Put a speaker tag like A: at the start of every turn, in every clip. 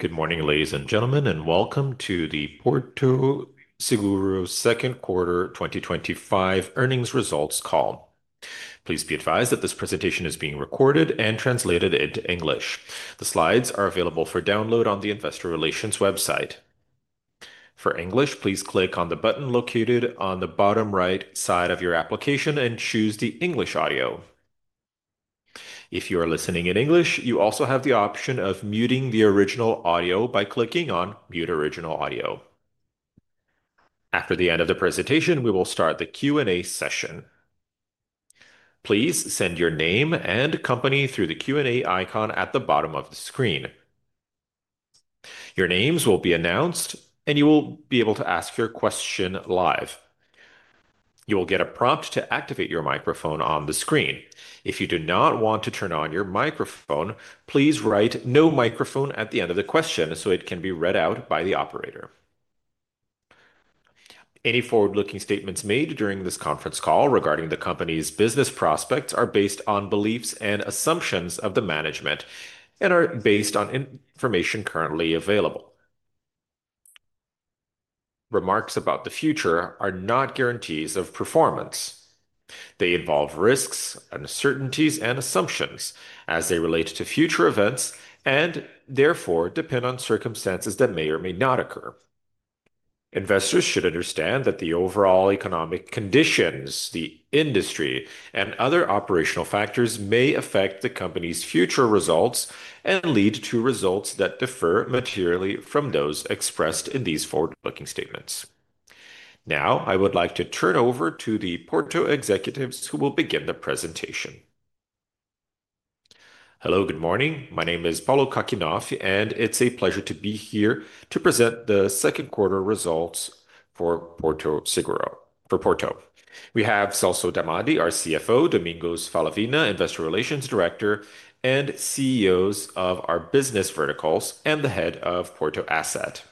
A: Good morning, ladies and gentlemen, and welcome to the Porto Seguro's Second Quarter 2025 Earnings Results Call. Please be advised that this presentation is being recorded and translated into English. The slides are available for download on the investor relations website. For English, please click on the button located on the bottom right side of your application and choose the English audio. If you are listening in English, you also have the option of muting the original audio by clicking on "Mute original audio." After the end of the presentation, we will start the Q&A session. Please send your name and company through the Q&A icon at the bottom of the screen. Your names will be announced, and you will be able to ask your question live. You will get a prompt to activate your microphone on the screen. If you do not want to turn on your microphone, please write "No microphone" at the end of the question so it can be read out by the operator. Any forward-looking statements made during this conference call regarding the company's business prospects are based on beliefs and assumptions of the management and are based on information currently available. Remarks about the future are not guarantees of performance. They involve risks, uncertainties, and assumptions as they relate to future events and therefore depend on circumstances that may or may not occur. Investors should understand that the overall economic conditions, the industry, and other operational factors may affect the company's future results and lead to results that differ materially from those expressed in these forward-looking statements. Now, I would like to turn over to the Porto executives who will begin the presentation.
B: Hello, good morning. My name is Paulo Kakinoff, and it's a pleasure to be here to present the second quarter results for Porto Seguro. For Porto, we have Celso Damadi, our CFO, Domingos Falavina, Investor Relations Director, and CEOs of our business verticals, and the Head of Porto Asset.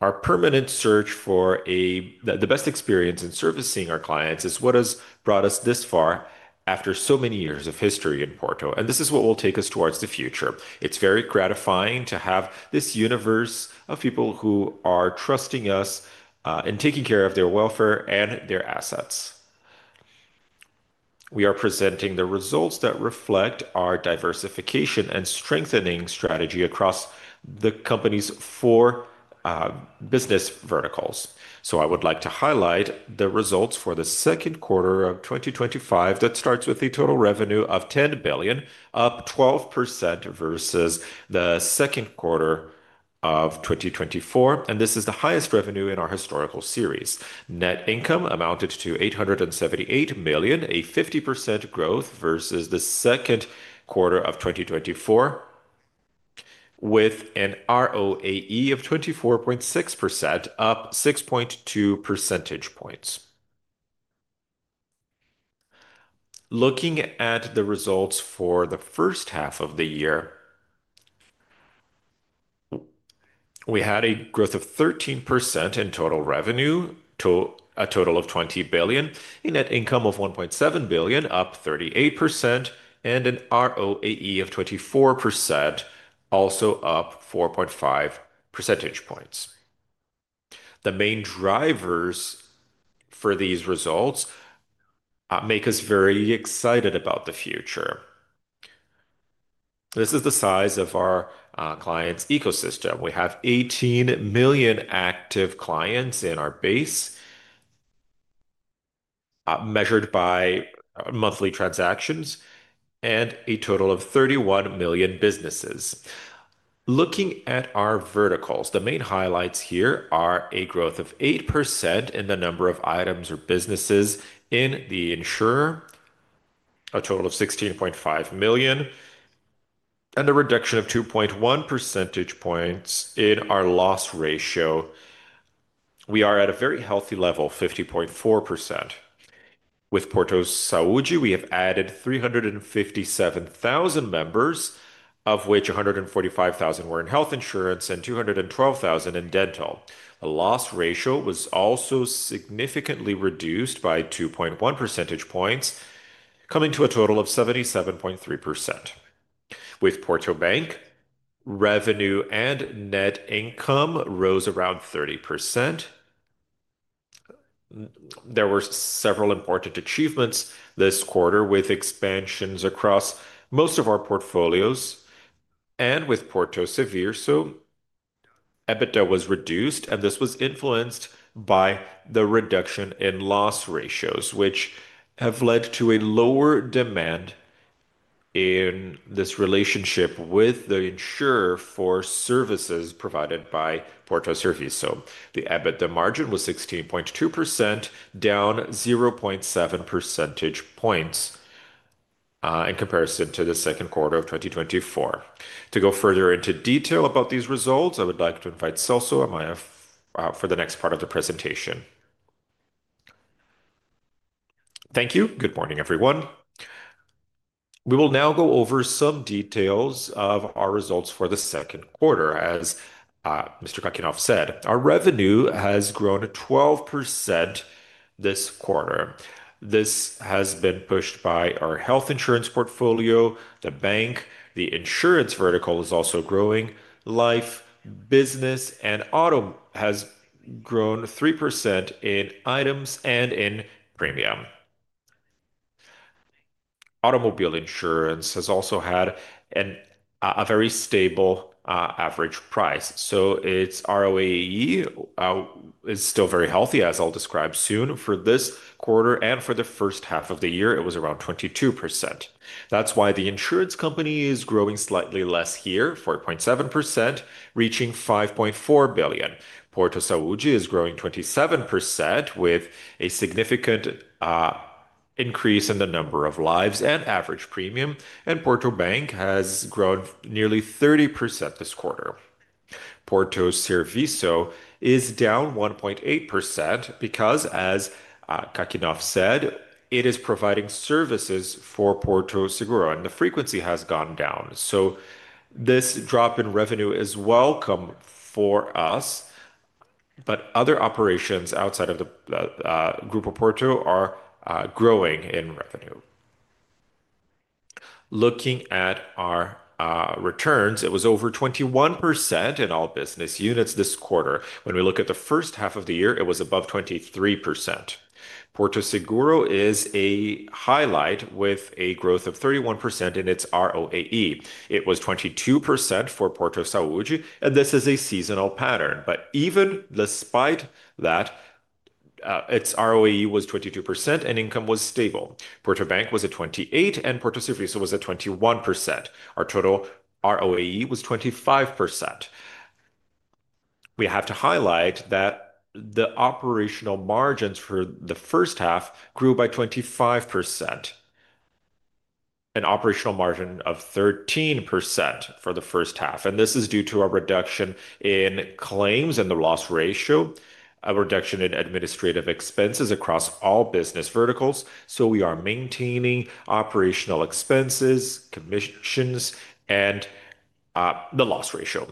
B: Our permanent search for the best experience in servicing our clients is what has brought us this far after so many years of history in Porto, and this is what will take us towards the future. It's very gratifying to have this universe of people who are trusting us in taking care of their welfare and their assets. We are presenting the results that reflect our diversification and strengthening strategy across the company's four business verticals. I would like to highlight the results for the second quarter of 2025 that starts with a total revenue of 10 billion, up 12% versus the second quarter of 2024, and this is the highest revenue in our historical series. Net income amounted to 878 million, a 50% growth versus the second quarter of 2024, with an ROAE of 24.6%, up 6.2 percentage points. Looking at the results for the first half of the year, we had a growth of 13% in total revenue, a total of 20 billion, a net income of 1.7 billion, up 38%, and an ROAE of 24%, also up 4.5 percentage points. The main drivers for these results make us very excited about the future. This is the size of our client's ecosystem. We have 18 million active clients in our base, measured by monthly transactions, and a total of 31 million businesses. Looking at our verticals, the main highlights here are a growth of 8% in the number of items or businesses in the insurer, a total of 16.5 million, and a reduction of 2.1 percentage points in our loss ratio. We are at a very healthy level, 50.4%. With Porto Saúde, we have added 357,000 members, of which 145,000 were in Health Insurance and 212,000 in Dental. The loss ratio was also significantly reduced by 2.1 percentage points, coming to a total of 77.3%. With Porto Bank, revenue and net income rose around 30%. There were several important achievements this quarter with expansions across most of our portfolios and with Porto Seguro. EBITDA was reduced, and this was influenced by the reduction in loss ratios, which have led to a lower demand in this relationship with the insurer for services provided by Porto Serviço. The EBITDA margin was 16.2%, down 0.7 percentage points in comparison to the second quarter of 2024. To go further into detail about these results, I would like to invite Celso for the next part of the presentation.
C: Thank you. Good morning, everyone. We will now go over some details of our results for the second quarter. As Mr. Kakinoff said, our revenue has grown 12% this quarter. This has been pushed by our Health Insurance portfolio, the bank, the insurance vertical is also growing, life, business, and auto has grown 3% in items and in premium. Automobile insurance has also had a very stable average price. Its ROAE is still very healthy, as I'll describe soon for this quarter and for the first half of the year. It was around 22%. That's why the insurance company is growing slightly less here, 4.7%, reaching 5.4 billion. Porto Saúde is growing 27% with a significant increase in the number of lives and average premium, and Porto Bank has grown nearly 30% this quarter. Porto Serviços is down 1.8% because, as Kakinoff said, it is providing services for Porto Seguro, and the frequency has gone down. This drop in revenue is welcome for us, but other operations outside of the group of Porto are growing in revenue. Looking at our returns, it was over 21% in all business units this quarter. When we look at the first half of the year, it was above 23%. Porto Seguro is a highlight with a growth of 31% in its ROAE. It was 22% for Porto Saúde, and this is a seasonal pattern. Even despite that, its ROAE was 22% and income was stable. Porto Bank was at 28%, and Porto Serviços was at 21%. Our total ROAE was 25%. We have to highlight that the operational margins for the first half grew by 25%. An operational margin of 13% for the first half, and this is due to a reduction in claims and the loss ratio, a reduction in administrative expenses across all business verticals. We are maintaining operational expenses, commissions, and the loss ratio.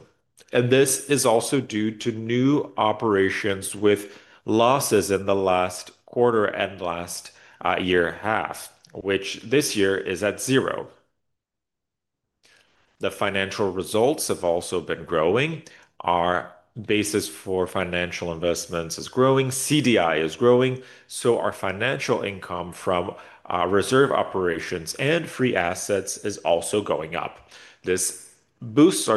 C: This is also due to new operations with losses in the last quarter and last year and a half, which this year is at zero. The financial results have also been growing. Our basis for financial investments is growing. CDI is growing. Our financial income from reserve operations and free assets is also going up. This boosts our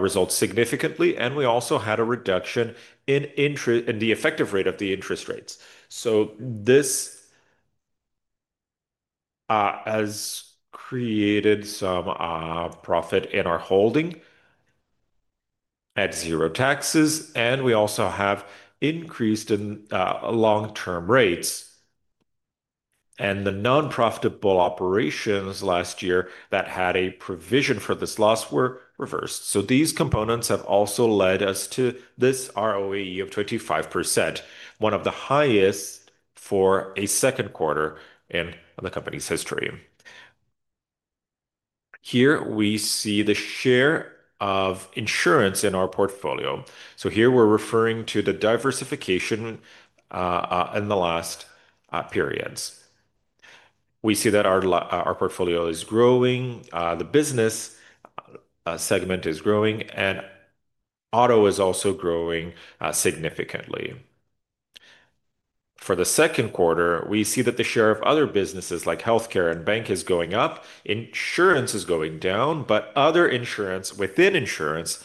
C: results significantly, and we also had a reduction in the effective rate of the interest rates. This has created some profit in our holding at zero taxes, and we also have increased in long-term rates. The non-profitable operations last year that had a provision for this loss were reversed. These components have also led us to this ROAE of 25%, one of the highest for a second quarter in the company's history. Here we see the share of insurance in our portfolio. Here we're referring to the diversification in the last periods. We see that our portfolio is growing, the business segment is growing, and auto is also growing significantly. For the second quarter, we see that the share of other businesses like healthcare and bank is going up, insurance is going down, but other insurance within insurance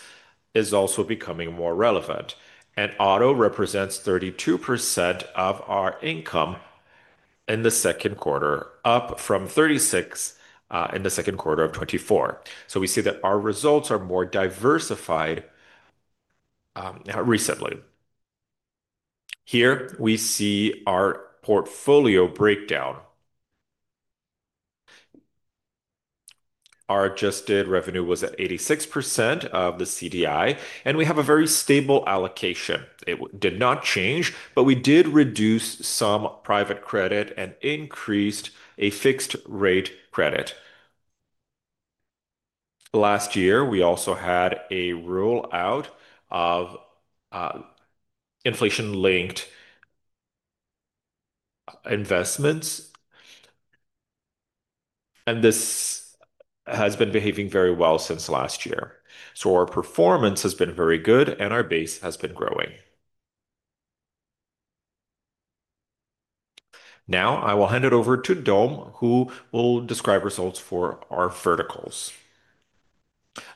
C: is also becoming more relevant. Auto represents 32% of our income in the second quarter, down from 36% in the second quarter of 2024. We see that our results are more diversified recently. Here we see our portfolio breakdown. Our adjusted revenue was at 86% of the CDI, and we have a very stable allocation. It did not change, but we did reduce some private credit and increased fixed-rate credit. Last year, we also had a rollout of inflation-linked investments, and this has been behaving very well since last year. Our performance has been very good, and our base has been growing. Now I will hand it over to Dom, who will describe results for our verticals.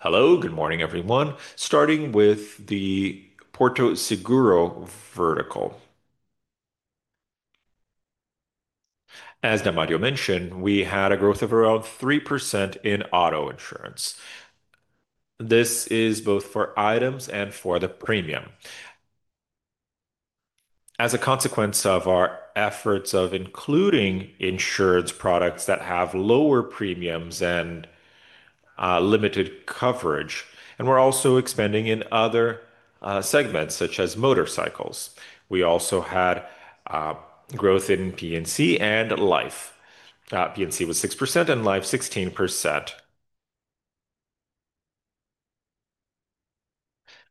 D: Hello, good morning everyone. Starting with the Porto Seguro vertical. As Damadi mentioned, we had a growth of around 3% in Auto Insurance. This is both for items and for the premium. As a consequence of our efforts of including insurance products that have lower premiums and limited coverage, we're also expanding in other segments such as motorcycles. We also had growth in P&C and Life. P&C was 6% and Life 16%.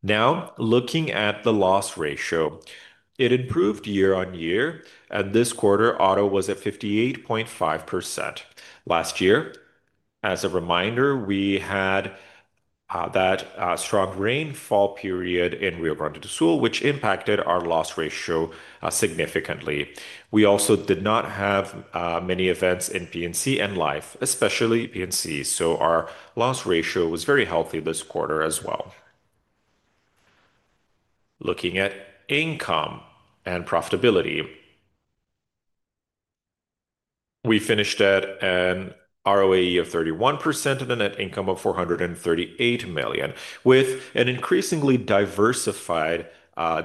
D: Now looking at the loss ratio, it improved year on year, and this quarter Auto was at 58.5%. Last year, as a reminder, we had that strong rainfall period in Rio Grande do Sul, which impacted our loss ratio significantly. We also did not have many events in P&C and Life, especially P&C. Our loss ratio was very healthy this quarter as well. Looking at income and profitability, we finished at an ROAE of 31% and a net income of 438 million, with an increasingly diversified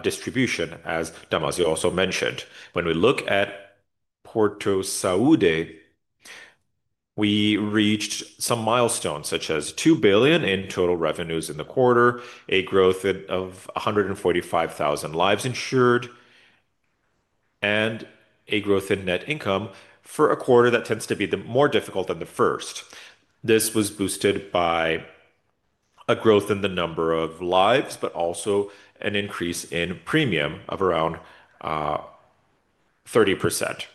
D: distribution, as Damadi also mentioned. When we look at Porto Saúde, we reached some milestones such as 2 billion in total revenues in the quarter, a growth of 145,000 lives insured, and a growth in net income for a quarter that tends to be more difficult than the first. This was boosted by a growth in the number of lives, but also an increase in premium of around 30%.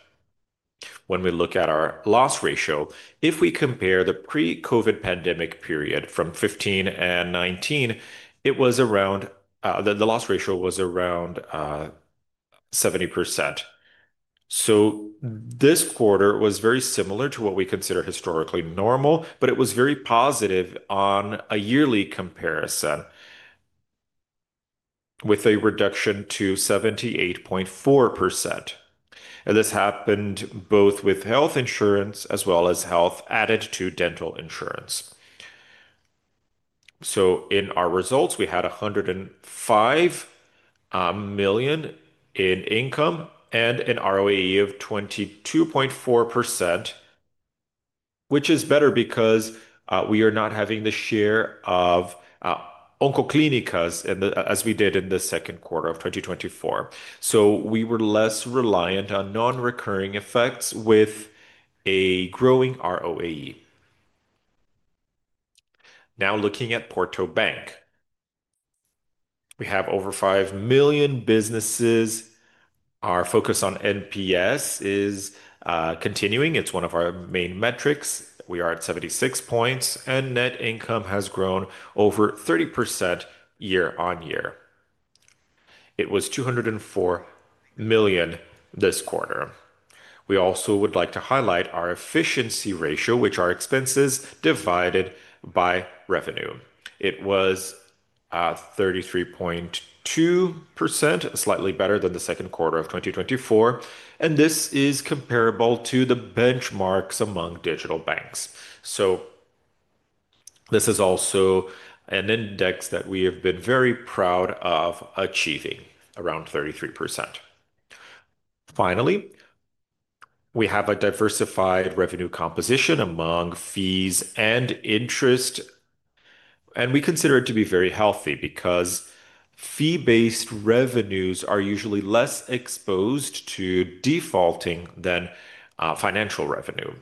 D: When we look at our loss ratio, if we compare the pre-COVID pandemic period from 2015 and 2019, the loss ratio was around 70%. This quarter was very similar to what we consider historically normal, but it was very positive on a yearly comparison with a reduction to 78.4%. This happened both with Health Insurance as well as health added to Dental Insurance. In our results, we had 105 million in income and an ROAE of 22.4%, which is better because we are not having the share of Oncoclínicas as we did in the second quarter of 2024. We were less reliant on non-recurring effects with a growing ROAE. Now looking at Porto Bank, we have over 5 million businesses. Our focus on NPS is continuing. It's one of our main metrics. We are at 76 points, and net income has grown over 30% year on year. It was 204 million this quarter. We also would like to highlight our efficiency ratio, which is expenses divided by revenue. It was 33.2%, slightly better than the second quarter of 2024, and this is comparable to the benchmarks among digital banks. This is also an index that we have been very proud of achieving, around 33%. Finally, we have a diversified revenue composition among fees and interest, and we consider it to be very healthy because fee-based revenues are usually less exposed to defaulting than financial revenue.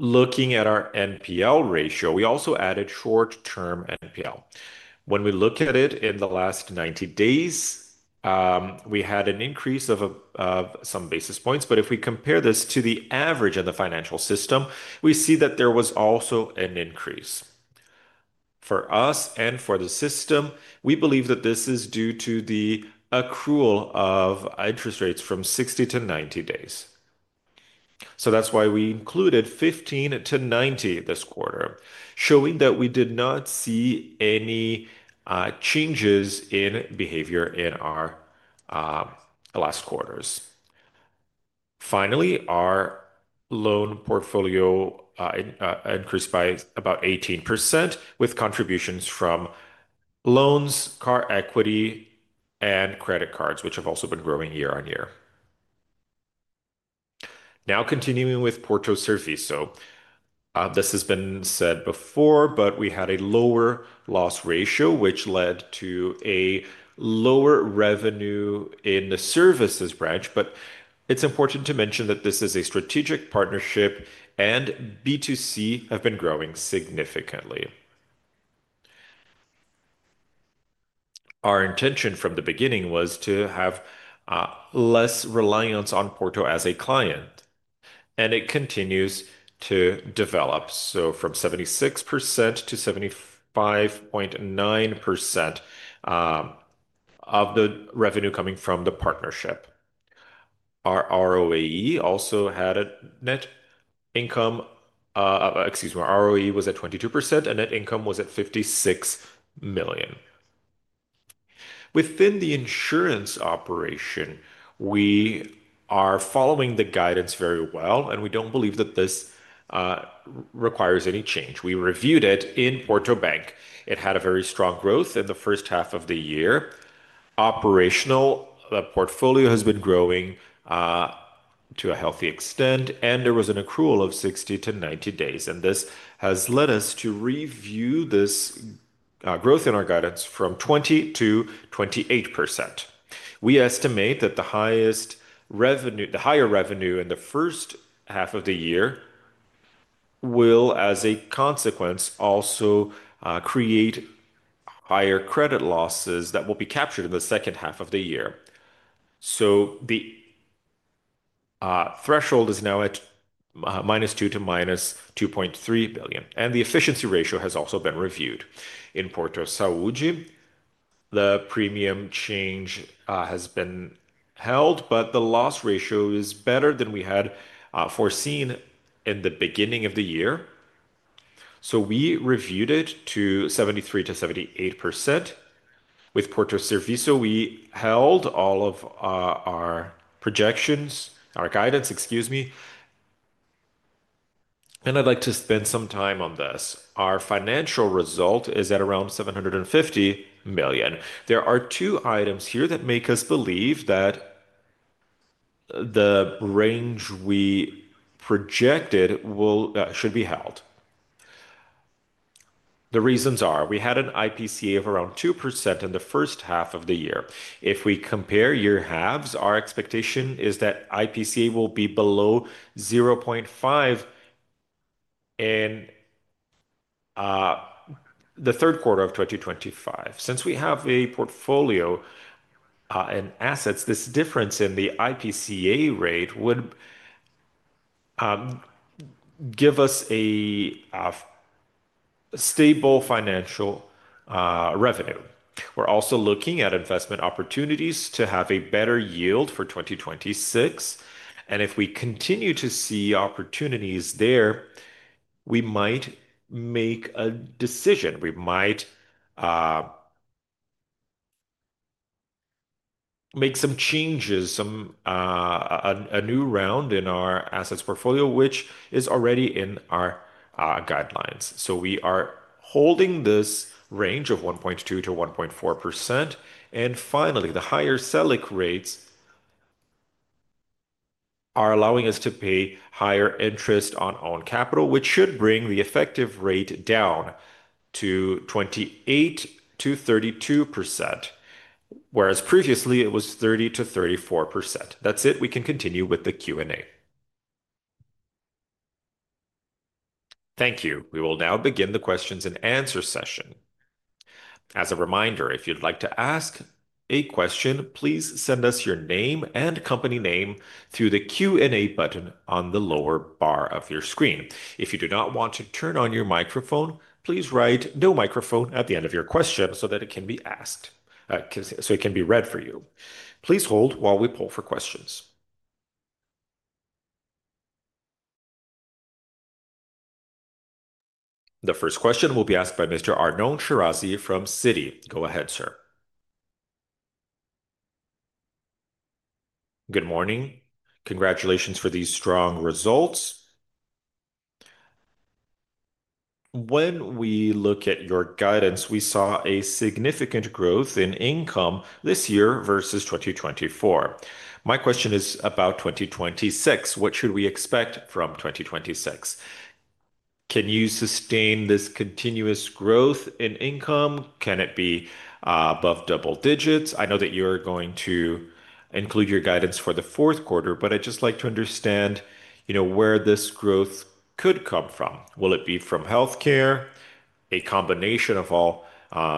D: Looking at our NPL ratio, we also added short-term NPL. When we look at it in the last 90 days, we had an increase of some basis points, but if we compare this to the average of the financial system, we see that there was also an increase. For us and for the system, we believe that this is due to the accrual of interest rates from 60-90 days. That's why we included 15-90 this quarter, showing that we did not see any changes in behavior in our last quarters. Finally, our loan portfolio increased by about 18% with contributions from loans, car equity loans, and credit cards, which have also been growing year on year. Now continuing with Porto Serviço. This has been said before, but we had a lower loss ratio, which led to a lower revenue in the services branch, but it's important to mention that this is a strategic partnership and B2C have been growing significantly. Our intention from the beginning was to have less reliance on Porto as a client, and it continues to develop. From 76% to 75.9% of the revenue coming from the partnership. Our ROAE was at 22% and net income was at 56 million. Within the insurance operation, we are following the guidance very well, and we don't believe that this requires any change. We reviewed it in Porto Bank. It had a very strong growth in the first half of the year. Operational portfolio has been growing to a healthy extent, and there was an accrual of 60-90 days, and this has led us to review this growth in our guidance from 20%-28%. We estimate that the higher revenue in the first half of the year will, as a consequence, also create higher credit losses that will be captured in the second half of the year. The threshold is now at -2 billion to -2.3 billion, and the efficiency ratio has also been reviewed. In Porto Saúde, the premium change has been held, but the loss ratio is better than we had foreseen in the beginning of the year. We reviewed it to 73%-78%. With Porto Serviço, we held all of our projections, our guidance, and I'd like to spend some time on this. Our financial result is at around 750 million. There are two items here that make us believe that the range we projected should be held. The reasons are we had an IPCA of around 2% in the first half of the year. If we compare year-halves, our expectation is that IPCA will be below 0.5% in the third quarter of 2025. Since we have a portfolio and assets, this difference in the IPCA rate would give us a stable financial revenue. We're also looking at investment opportunities to have a better yield for 2026, and if we continue to see opportunities there, we might make a decision. We might make some changes, a new round in our assets portfolio, which is already in our guidelines. We are holding this range of 1.2%-1.4%, and finally, the higher Selic rates are allowing us to pay higher interest on owned capital, which should bring the effective rate down to 28%-32%, whereas previously it was 30%-34%. That's it. We can continue with the Q&A.
A: Thank you. We will now begin the questions and answers session. As a reminder, if you'd like to ask a question, please send us your name and company name through the Q&A button on the lower bar of your screen. If you do not want to turn on your microphone, please write "No microphone" at the end of your question so that it can be read for you. Please hold while we pull for questions. The first question will be asked by Mr. Arnon Shirazi from Citi. Go ahead, sir.
E: Good morning. Congratulations for these strong results. When we look at your guidance, we saw a significant growth in income this year versus 2024. My question is about 2026. What should we expect from 2026? Can you sustain this continuous growth in income? Can it be above double digits? I know that you're going to include your guidance for the fourth quarter, but I'd just like to understand, you know, where this growth could come from. Will it be from healthcare, a combination of all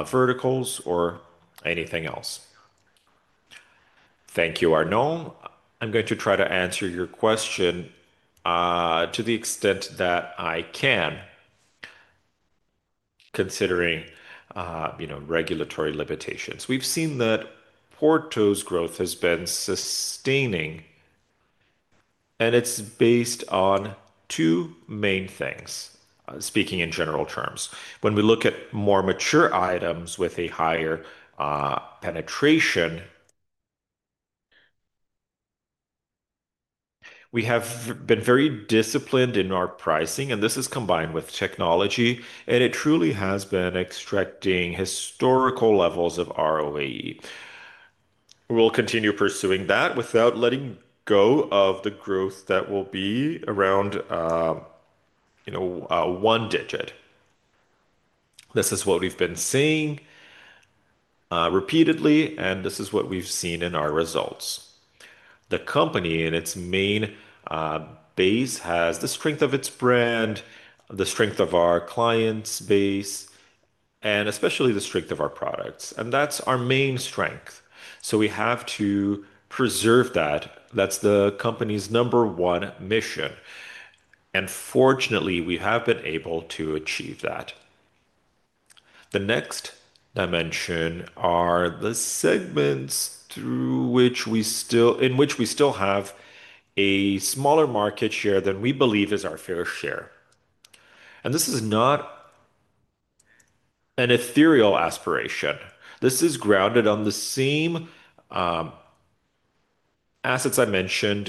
E: verticals, or anything else?
B: Thank you, Arnon. I'm going to try to answer your question to the extent that I can, considering, you know, regulatory limitations. We've seen that Porto's growth has been sustaining, and it's based on two main things, speaking in general terms. When we look at more mature items with a higher penetration, we have been very disciplined in our pricing, and this is combined with technology, and it truly has been extracting historical levels of ROAE. We'll continue pursuing that without letting go of the growth that will be around, you know, one digit. This is what we've been saying repeatedly, and this is what we've seen in our results. The company and its main base have the strength of its brand, the strength of our clients' base, and especially the strength of our products, and that's our main strength. We have to preserve that. That's the company's number one mission, and fortunately, we have been able to achieve that. The next dimension are the segments in which we still have a smaller market share than we believe is our fair share. This is not an ethereal aspiration. This is grounded on the same assets I mentioned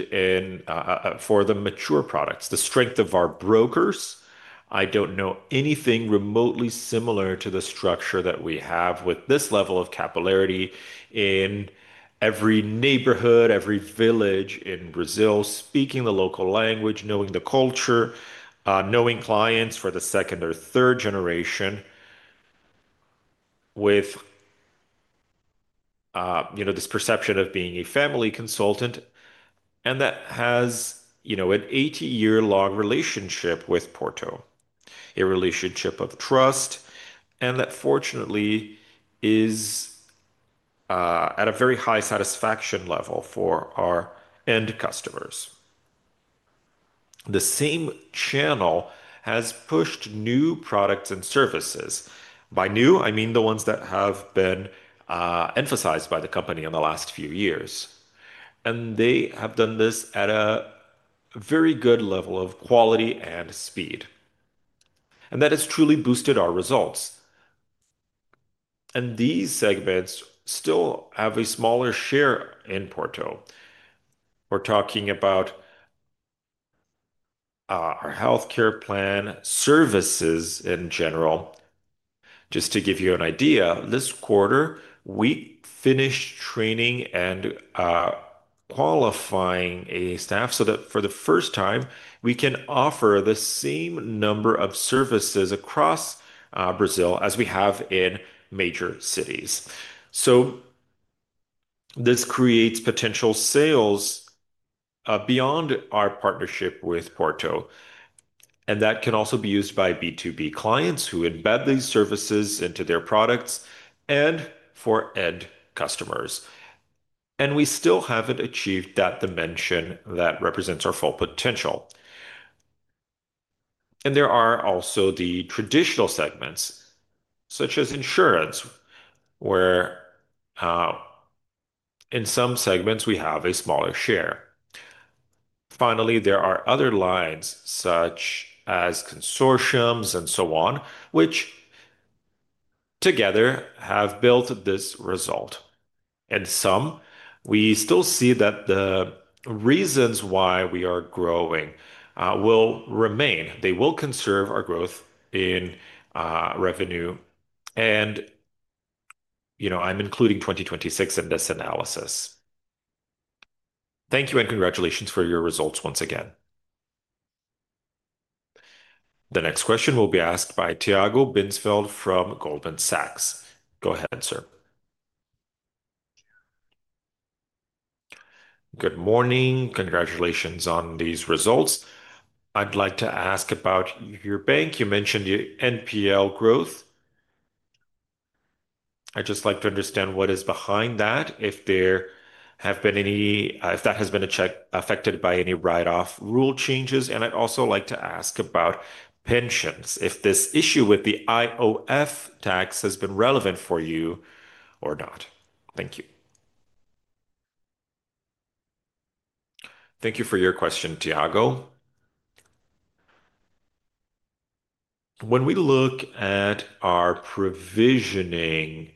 B: for the mature products. The strength of our brokers, I don't know anything remotely similar to the structure that we have with this level of capillarity in every neighborhood, every village in Brazil, speaking the local language, knowing the culture, knowing clients for the second or third generation, with this perception of being a family consultant, and that has an 80-year-long relationship with Porto, a relationship of trust, and that fortunately is at a very high satisfaction level for our end customers. The same channel has pushed new products and services. By new, I mean the ones that have been emphasized by the company in the last few years, and they have done this at a very good level of quality and speed, and that has truly boosted our results. These segments still have a smaller share in Porto. We're talking about our healthcare plan services in general. Just to give you an idea, this quarter, we finished training and qualifying a staff so that for the first time, we can offer the same number of services across Brazil as we have in major cities. This creates potential sales beyond our partnership with Porto, and that can also be used by B2B clients who embed these services into their products and for end customers. We still haven't achieved that dimension that represents our full potential. There are also the traditional segments, such as insurance, where in some segments we have a smaller share. Finally, there are other lines, such as consortiums and so on, which together have built this result. In some, we still see that the reasons why we are growing will remain. They will conserve our growth in revenue, and you know, I'm including 2026 in this analysis.
E: Thank you and congratulations for your results once again.
A: The next question will be asked by Tiago Binsfeld from Goldman Sachs. Go ahead, sir.
F: Good morning. Congratulations on these results. I'd like to ask about your bank. You mentioned your NPL growth. I'd just like to understand what is behind that, if there have been any, if that has been affected by any write-off rule changes, and I'd also like to ask about pensions, if this issue with the IOF tax has been relevant for you or not. Thank you.
G: Thank you for your question, Tiago. When we look at our provisioning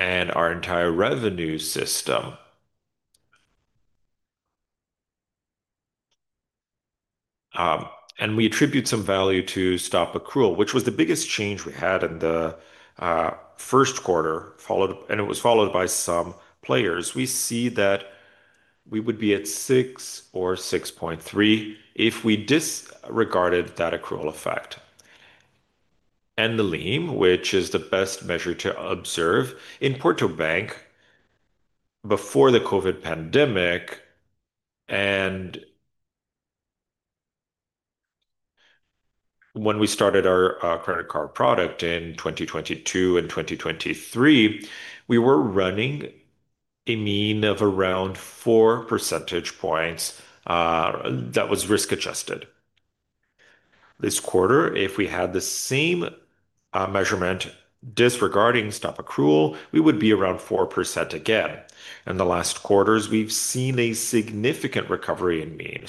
G: and our entire revenue system, and we attribute some value to stop accrual, which was the biggest change we had in the first quarter, and it was followed by some players, we see that we would be at 6% or 6.3% if we disregarded that accrual effect. The NIM, which is the best measure to observe, in Porto Bank before the COVID pandemic, and when we started our credit card product in 2022 and 2023, we were running a mean of around 4 percentage points that was risk adjusted. This quarter, if we had the same measurement disregarding stop accrual, we would be around 4% again. In the last quarters, we've seen a significant recovery in mean.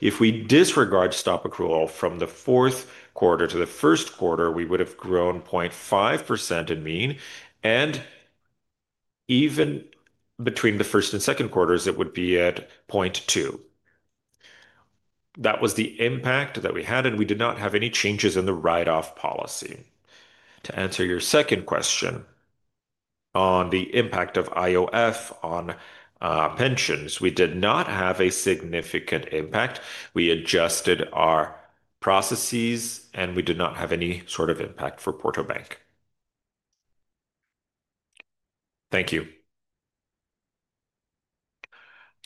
G: If we disregard stop accrual from the fourth quarter to the first quarter, we would have grown 0.5% in mean, and even between the first and second quarters, it would be at 0.2%. That was the impact that we had, and we did not have any changes in the write-off policy. To answer your second question on the impact of IOF on pensions, we did not have a significant impact. We adjusted our processes, and we did not have any sort of impact for Porto Bank.
F: Thank you.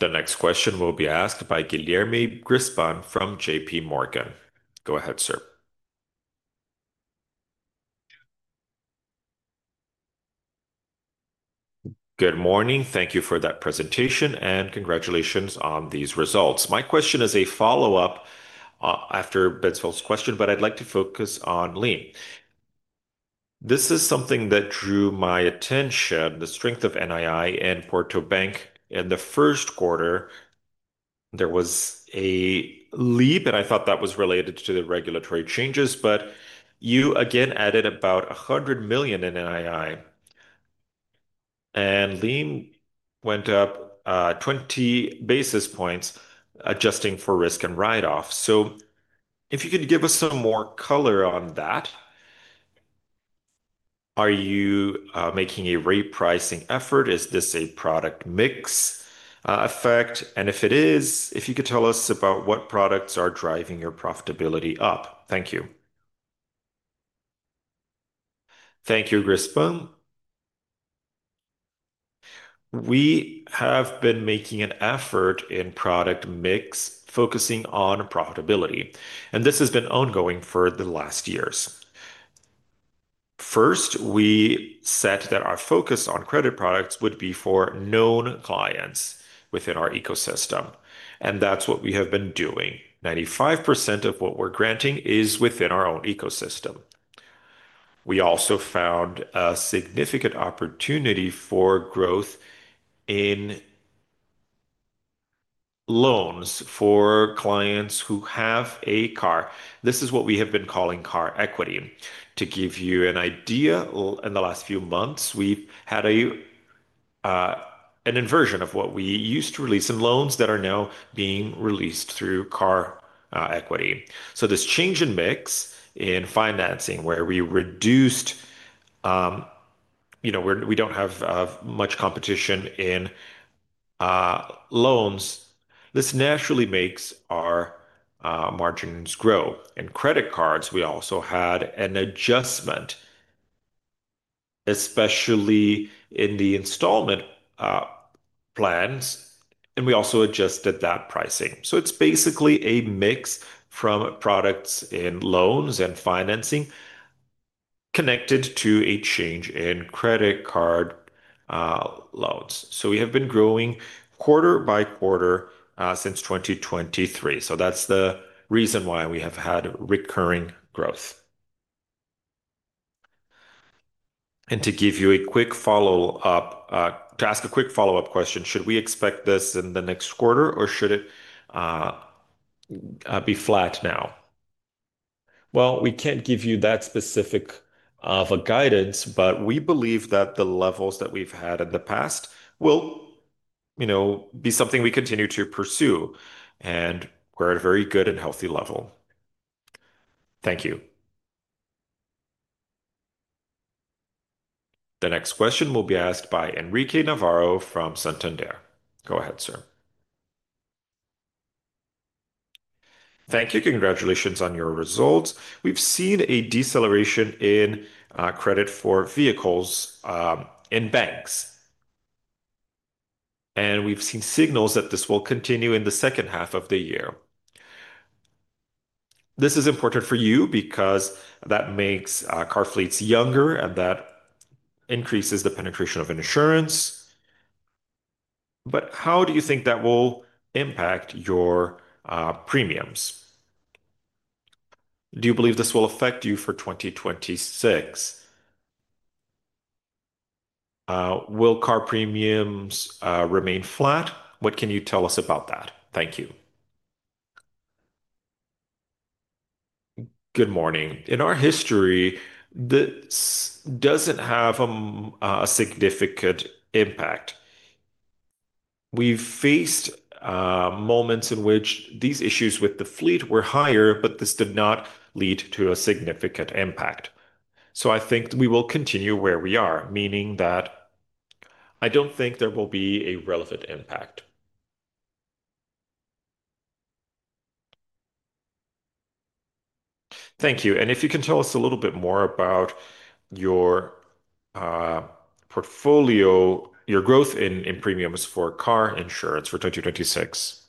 A: The next question will be asked by Guilherme Grespan from JP Morgan. Go ahead, sir.
H: Good morning. Thank you for that presentation, and congratulations on these results. My question is a follow-up after Bitsvold's question, but I'd like to focus on NIM. This is something that drew my attention, the strength of NII in Porto Bank in the first quarter. There was a leap, and I thought that was related to the regulatory changes, but you again added about 100 million in NII, and NIM went up 20 basis points, adjusting for risk and write-off. If you could give us some more color on that, are you making a rate pricing effort? Is this a product mix effect? If it is, if you could tell us about what products are driving your profitability up. Thank you.
G: Thank you, Grespan. We have been making an effort in product mix, focusing on profitability, and this has been ongoing for the last years. First, we said that our focus on credit products would be for known clients within our ecosystem, and that's what we have been doing. 95% of what we're granting is within our own ecosystem. We also found a significant opportunity for growth in loans for clients who have a car. This is what we have been calling car equity. To give you an idea, in the last few months, we've had an inversion of what we used to release in loans that are now being released through car equity. This change in mix in financing, where we reduced, you know, we don't have much competition in loans, this naturally makes our margins grow. In credit cards, we also had an adjustment, especially in the installment plans, and we also adjusted that pricing. It's basically a mix from products in loans and financing connected to a change in credit card loans. We have been growing quarter by quarter since 2023. That's the reason why we have had recurring growth.
H: To give you a quick follow-up, to ask a quick follow-up question, should we expect this in the next quarter, or should it be flat now?
G: We can't give you that specific guidance, but we believe that the levels that we've had in the past will, you know, be something we continue to pursue, and we're at a very good and healthy level.
H: Thank you.
A: The next question will be asked by Henrique Navarro from Santander. Go ahead, sir.
I: Thank you. Congratulations on your results. We've seen a deceleration in credit for vehicles in banks, and we've seen signals that this will continue in the second half of the year. This is important for you because that makes car fleets younger, and that increases the penetration of insurance. How do you think that will impact your premiums? Do you believe this will affect you for 2026? Will car premiums remain flat? What can you tell us about that? Thank you.
J: Good morning. In our history, this doesn't have a significant impact. We've faced moments in which these issues with the fleet were higher, but this did not lead to a significant impact. I think we will continue where we are, meaning that I don't think there will be a relevant impact.
I: Thank you. If you can tell us a little bit more about your portfolio, your growth in premiums for car insurance for 2026.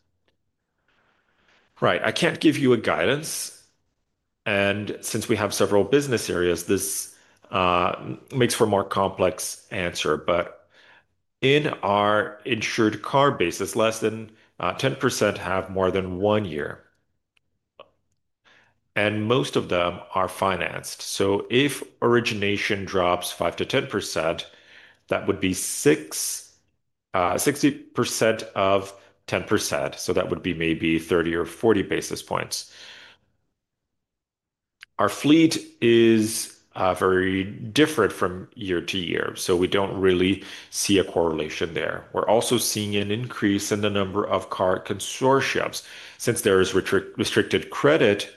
D: Right. I can't give you a guidance, and since we have several business areas, this makes for a more complex answer. In our insured car base, less than 10% have more than one year, and most of them are financed. If origination drops 5%-10%, that would be 60% of 10%. That would be maybe 30 or 40 basis points. Our fleet is very different from year to year, so we don't really see a correlation there. We're also seeing an increase in the number of car consortiums. Since there is restricted credit,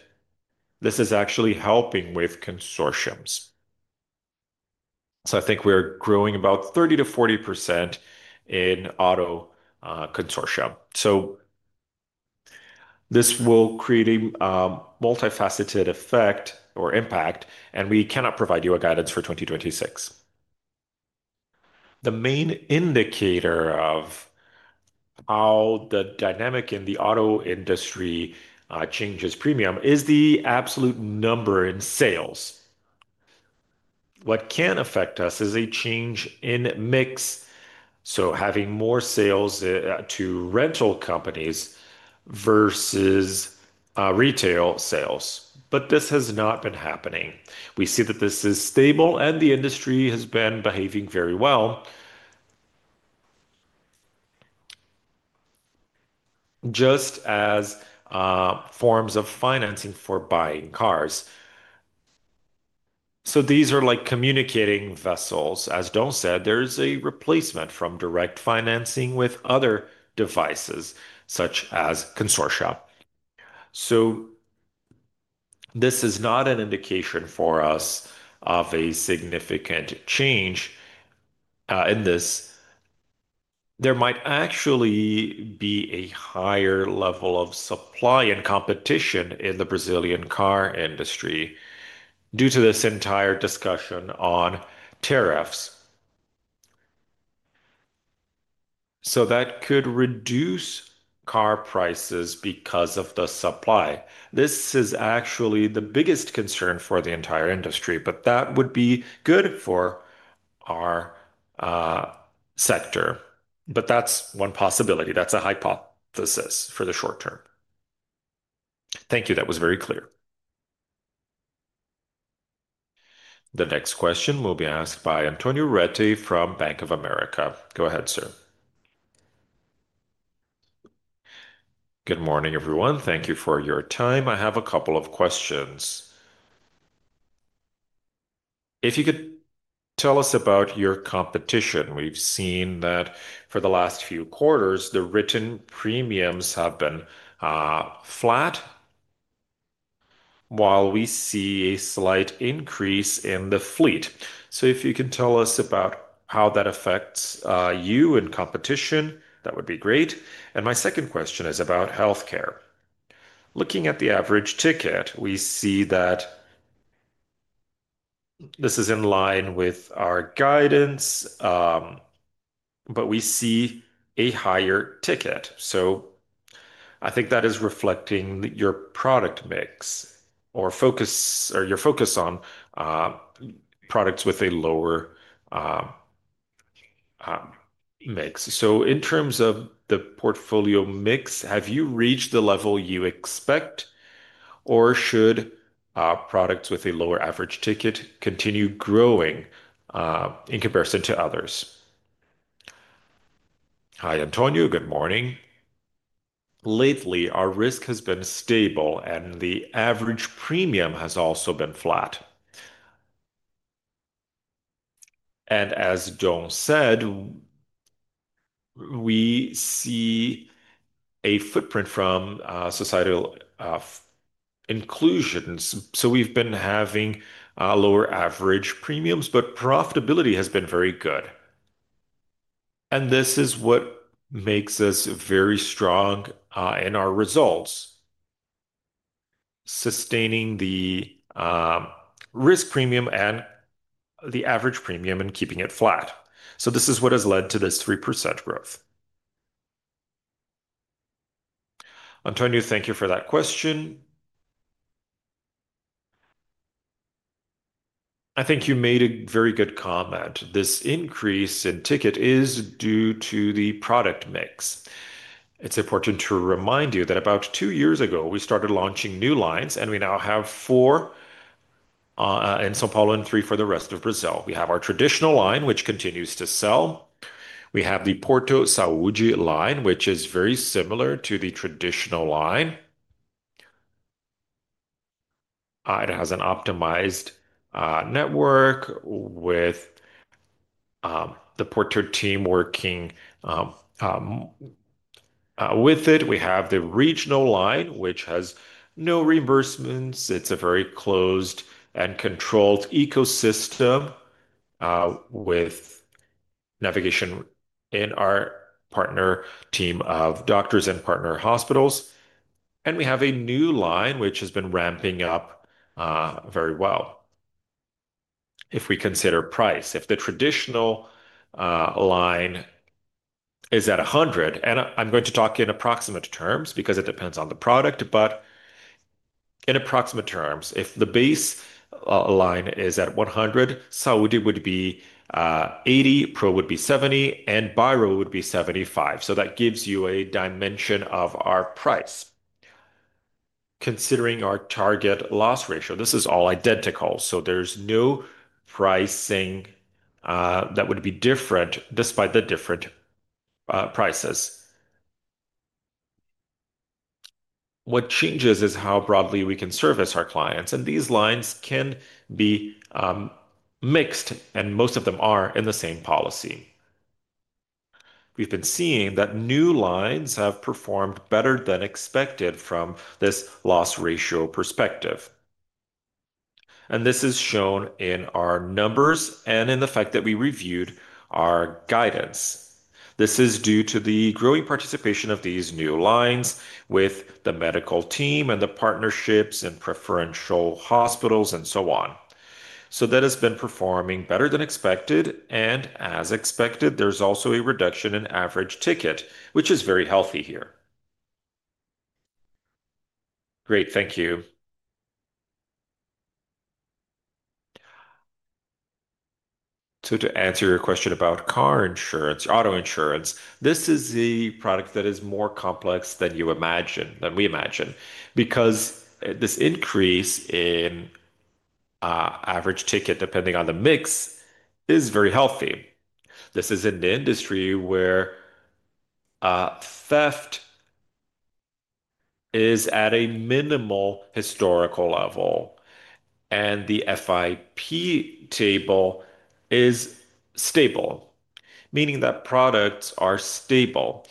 D: this is actually helping with consortiums. I think we're growing about 30%-40% in Auto consortia. This will create a multifaceted effect or impact, and we cannot provide you a guidance for 2026.
B: The main indicator of how the dynamic in the Auto industry changes premium is the absolute number in sales. What can affect us is a change in mix, so having more sales to rental companies versus retail sales. This has not been happening. We see that this is stable, and the industry has been behaving very well, just as forms of financing for buying cars. These are like communicating vessels. As Dom said, there's a replacement from direct financing with other devices, such as consortium. This is not an indication for us of a significant change in this. There might actually be a higher level of supply and competition in the Brazilian car industry due to this entire discussion on tariffs. That could reduce car prices because of the supply. This is actually the biggest concern for the entire industry, but that would be good for our sector. That's one possibility. That's a hypothesis for the short term.
I: Thank you. That was very clear.
A: The next question will be asked by Antonio Ruette from Bank of America. Go ahead, sir.
K: Good morning, everyone. Thank you for your time. I have a couple of questions. If you could tell us about your competition, we've seen that for the last few quarters, the written premiums have been flat, while we see a slight increase in the fleet. If you can tell us about how that affects you and competition, that would be great. My second question is about healthcare. Looking at the average ticket, we see that this is in line with our guidance, but we see a higher ticket. I think that is reflecting your product mix or your focus on products with a lower mix. In terms of the portfolio mix, have you reached the level you expect, or should products with a lower average ticket continue growing in comparison to others?
C: Hi, Antonio. Good morning. Lately, our risk has been stable, and the average premium has also been flat. As Dom said, we see a footprint from societal inclusions. We've been having lower average premiums, but profitability has been very good. This is what makes us very strong in our results, sustaining the risk premium and the average premium and keeping it flat. This is what has led to this 3% growth.
J: Antonio, thank you for that question. I think you made a very good comment. This increase in ticket is due to the product mix. It's important to remind you that about two years ago, we started launching new lines, and we now have four in São Paulo and three for the rest of Brazil. We have our traditional line, which continues to sell. We have the Porto Saúde line, which is very similar to the traditional line. It has an optimized network with the Porto team working with it. We have the regional line, which has no reimbursements. It's a very closed and controlled ecosystem with navigation in our partner team of doctors and partner hospitals. We have a new line, which has been ramping up very well. If we consider price, if the traditional line is at 100, and I'm going to talk in approximate terms because it depends on the product, but in approximate terms, if the base line is at 100, Saúde would be 80, Pro would be 70, and Bairro would be 75. That gives you a dimension of our price. Considering our target loss ratio, this is all identical. There's no pricing that would be different despite the different prices. What changes is how broadly we can service our clients, and these lines can be mixed, and most of them are in the same policy. We've been seeing that new lines have performed better than expected from this loss ratio perspective. This is shown in our numbers and in the fact that we reviewed our guidance. This is due to the growing participation of these new lines with the medical team and the partnerships and preferential hospitals and so on. That has been performing better than expected, and as expected, there's also a reduction in average ticket, which is very healthy here.
K: Great. Thank you.
J: To answer your question about car insurance, Auto Insurance, this is the product that is more complex than you imagine, than we imagine, because this increase in average ticket, depending on the mix, is very healthy. This is an industry where theft is at a minimal historical level, and the FIP table is stable, meaning that products are stable,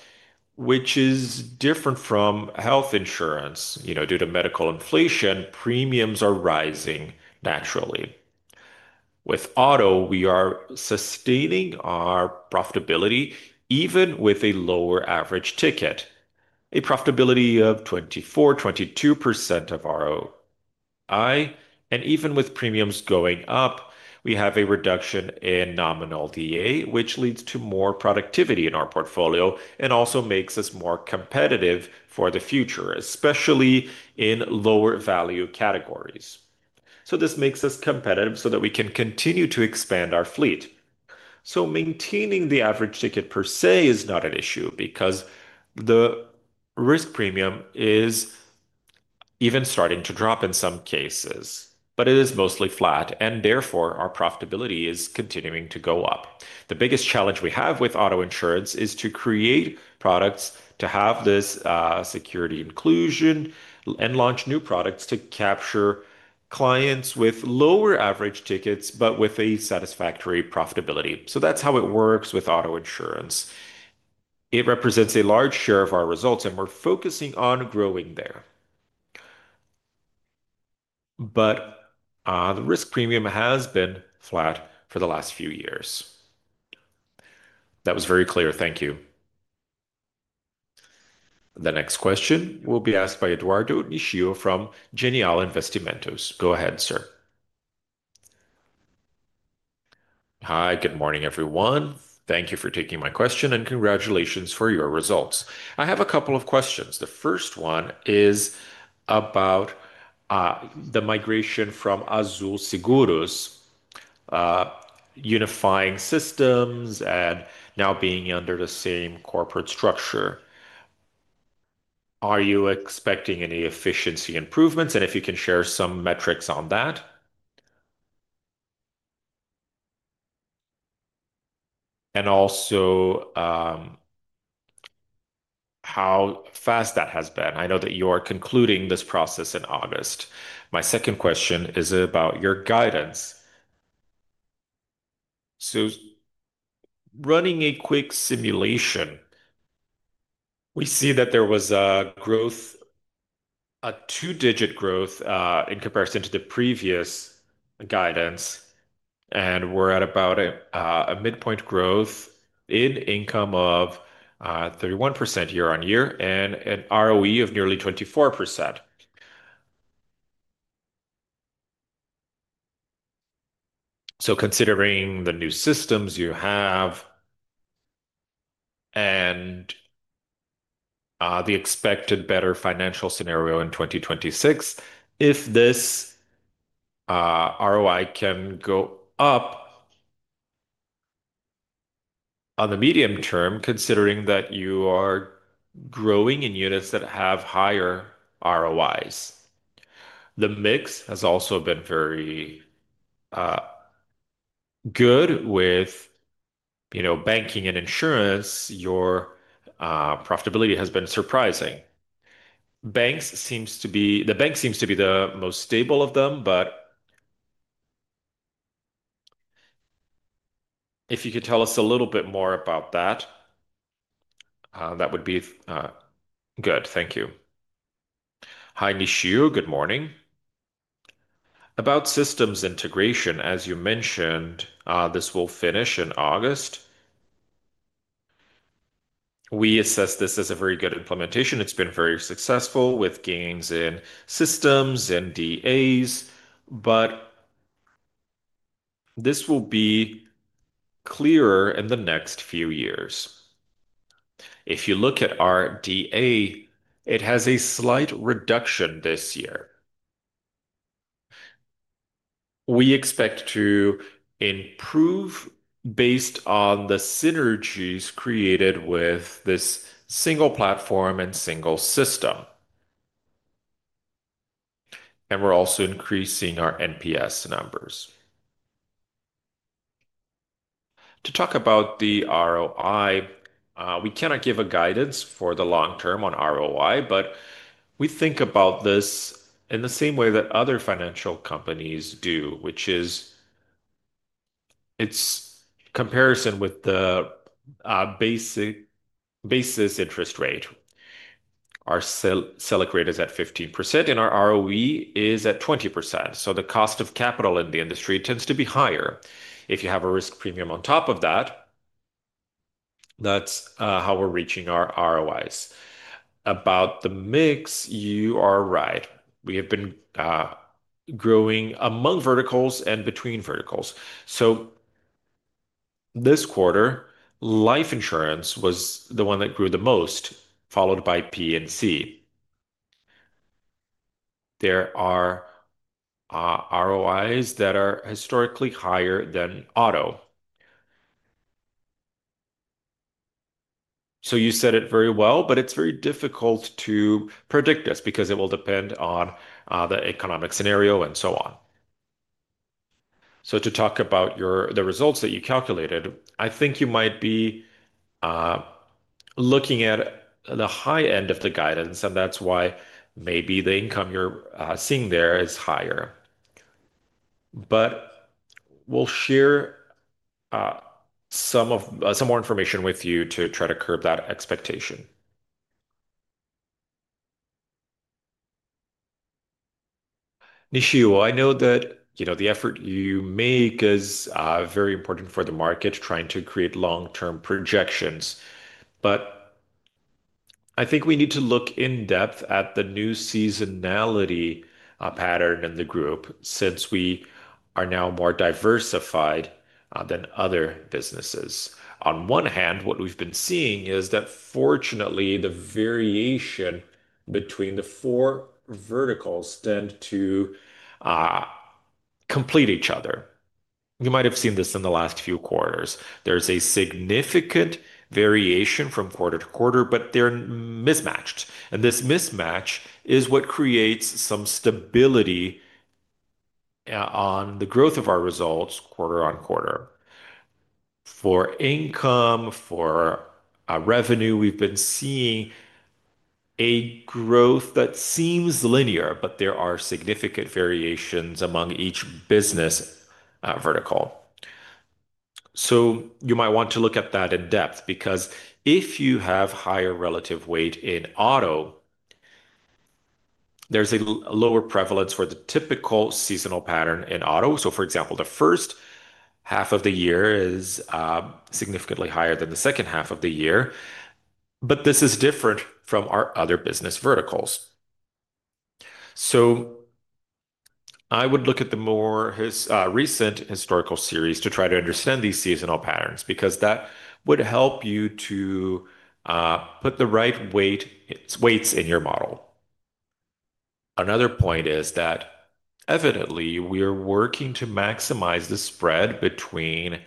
J: which is different from Health Insurance. You know, due to medical inflation, premiums are rising naturally. With auto, we are sustaining our profitability even with a lower average ticket, a profitability of 24%, 22% of ROI. Even with premiums going up, we have a reduction in nominal DA, which leads to more productivity in our portfolio and also makes us more competitive for the future, especially in lower value categories. This makes us competitive so that we can continue to expand our fleet. Maintaining the average ticket per se is not an issue because the risk premium is even starting to drop in some cases, but it is mostly flat, and therefore our profitability is continuing to go up. The biggest challenge we have with Auto Insurance is to create products to have this security inclusion and launch new products to capture clients with lower average tickets, but with a satisfactory profitability. That's how it works with Auto Insurance. It represents a large share of our results, and we're focusing on growing there. The risk premium has been flat for the last few years.
K: That was very clear. Thank you.
A: The next question will be asked by Eduardo Nishio from Genial Investimentos. Go ahead, sir.
L: Hi, good morning, everyone. Thank you for taking my question, and congratulations for your results. I have a couple of questions. The first one is about the migration from Azul Seguros, unifying systems, and now being under the same corporate structure. Are you expecting any efficiency improvements, and if you can share some metrics on that? Also, how fast that has been. I know that you are concluding this process in August. My second question is about your guidance. Running a quick simulation, we see that there was a growth, a two-digit growth in comparison to the previous guidance, and we're at about a midpoint growth in income of 31% year-on-year and an ROE of nearly 24%. Considering the new systems you have and the expected better financial scenario in 2026, if this ROI can go up in the medium term, considering that you are growing in units that have higher ROIs. The mix has also been very good with, you know, banking and insurance. Your profitability has been surprising. The bank seems to be the most stable of them, but if you could tell us a little bit more about that, that would be good. Thank you.
C: Hi, Nishio. Good morning. About systems integration, as you mentioned, this will finish in August. We assess this as a very good implementation. It's been very successful with gains in systems and DAs, but this will be clearer in the next few years. If you look at our DA, it has a slight reduction this year. We expect to improve based on the synergies created with this single platform and single system. We're also increasing our NPS numbers. To talk about the ROI, we cannot give a guidance for the long term on ROI, but we think about this in the same way that other financial companies do, which is its comparison with the basis interest rate. Our Selic rate is at 15%, and our ROE is at 20%. The cost of capital in the industry tends to be higher. If you have a risk premium on top of that, that's how we're reaching our ROIs. About the mix, you are right. We have been growing among verticals and between verticals. This quarter, life insurance was the one that grew the most, followed by P&C. There are ROIs that are historically higher than auto. You said it very well, but it's very difficult to predict this because it will depend on the economic scenario and so on. To talk about the results that you calculated, I think you might be looking at the high end of the guidance, and that's why maybe the income you're seeing there is higher. We'll share some more information with you to try to curb that expectation.
G: Nishio, I know that the effort you make is very important for the market, trying to create long-term projections. I think we need to look in depth at the new seasonality pattern in the group since we are now more diversified than other businesses. On one hand, what we've been seeing is that, fortunately, the variation between the four verticals tends to complete each other. You might have seen this in the last few quarters. There's a significant variation from quarter to quarter, but they're mismatched. This mismatch is what creates some stability on the growth of our results quarter on quarter. For income, for revenue, we've been seeing a growth that seems linear, but there are significant variations among each business vertical. You might want to look at that in depth because if you have higher relative weight in auto, there's a lower prevalence for the typical seasonal pattern in auto. For example, the first half of the year is significantly higher than the second half of the year. This is different from our other business verticals. I would look at the more recent historical series to try to understand these seasonal patterns because that would help you to put the right weights in your model. Another point is that, evidently, we are working to maximize the spread between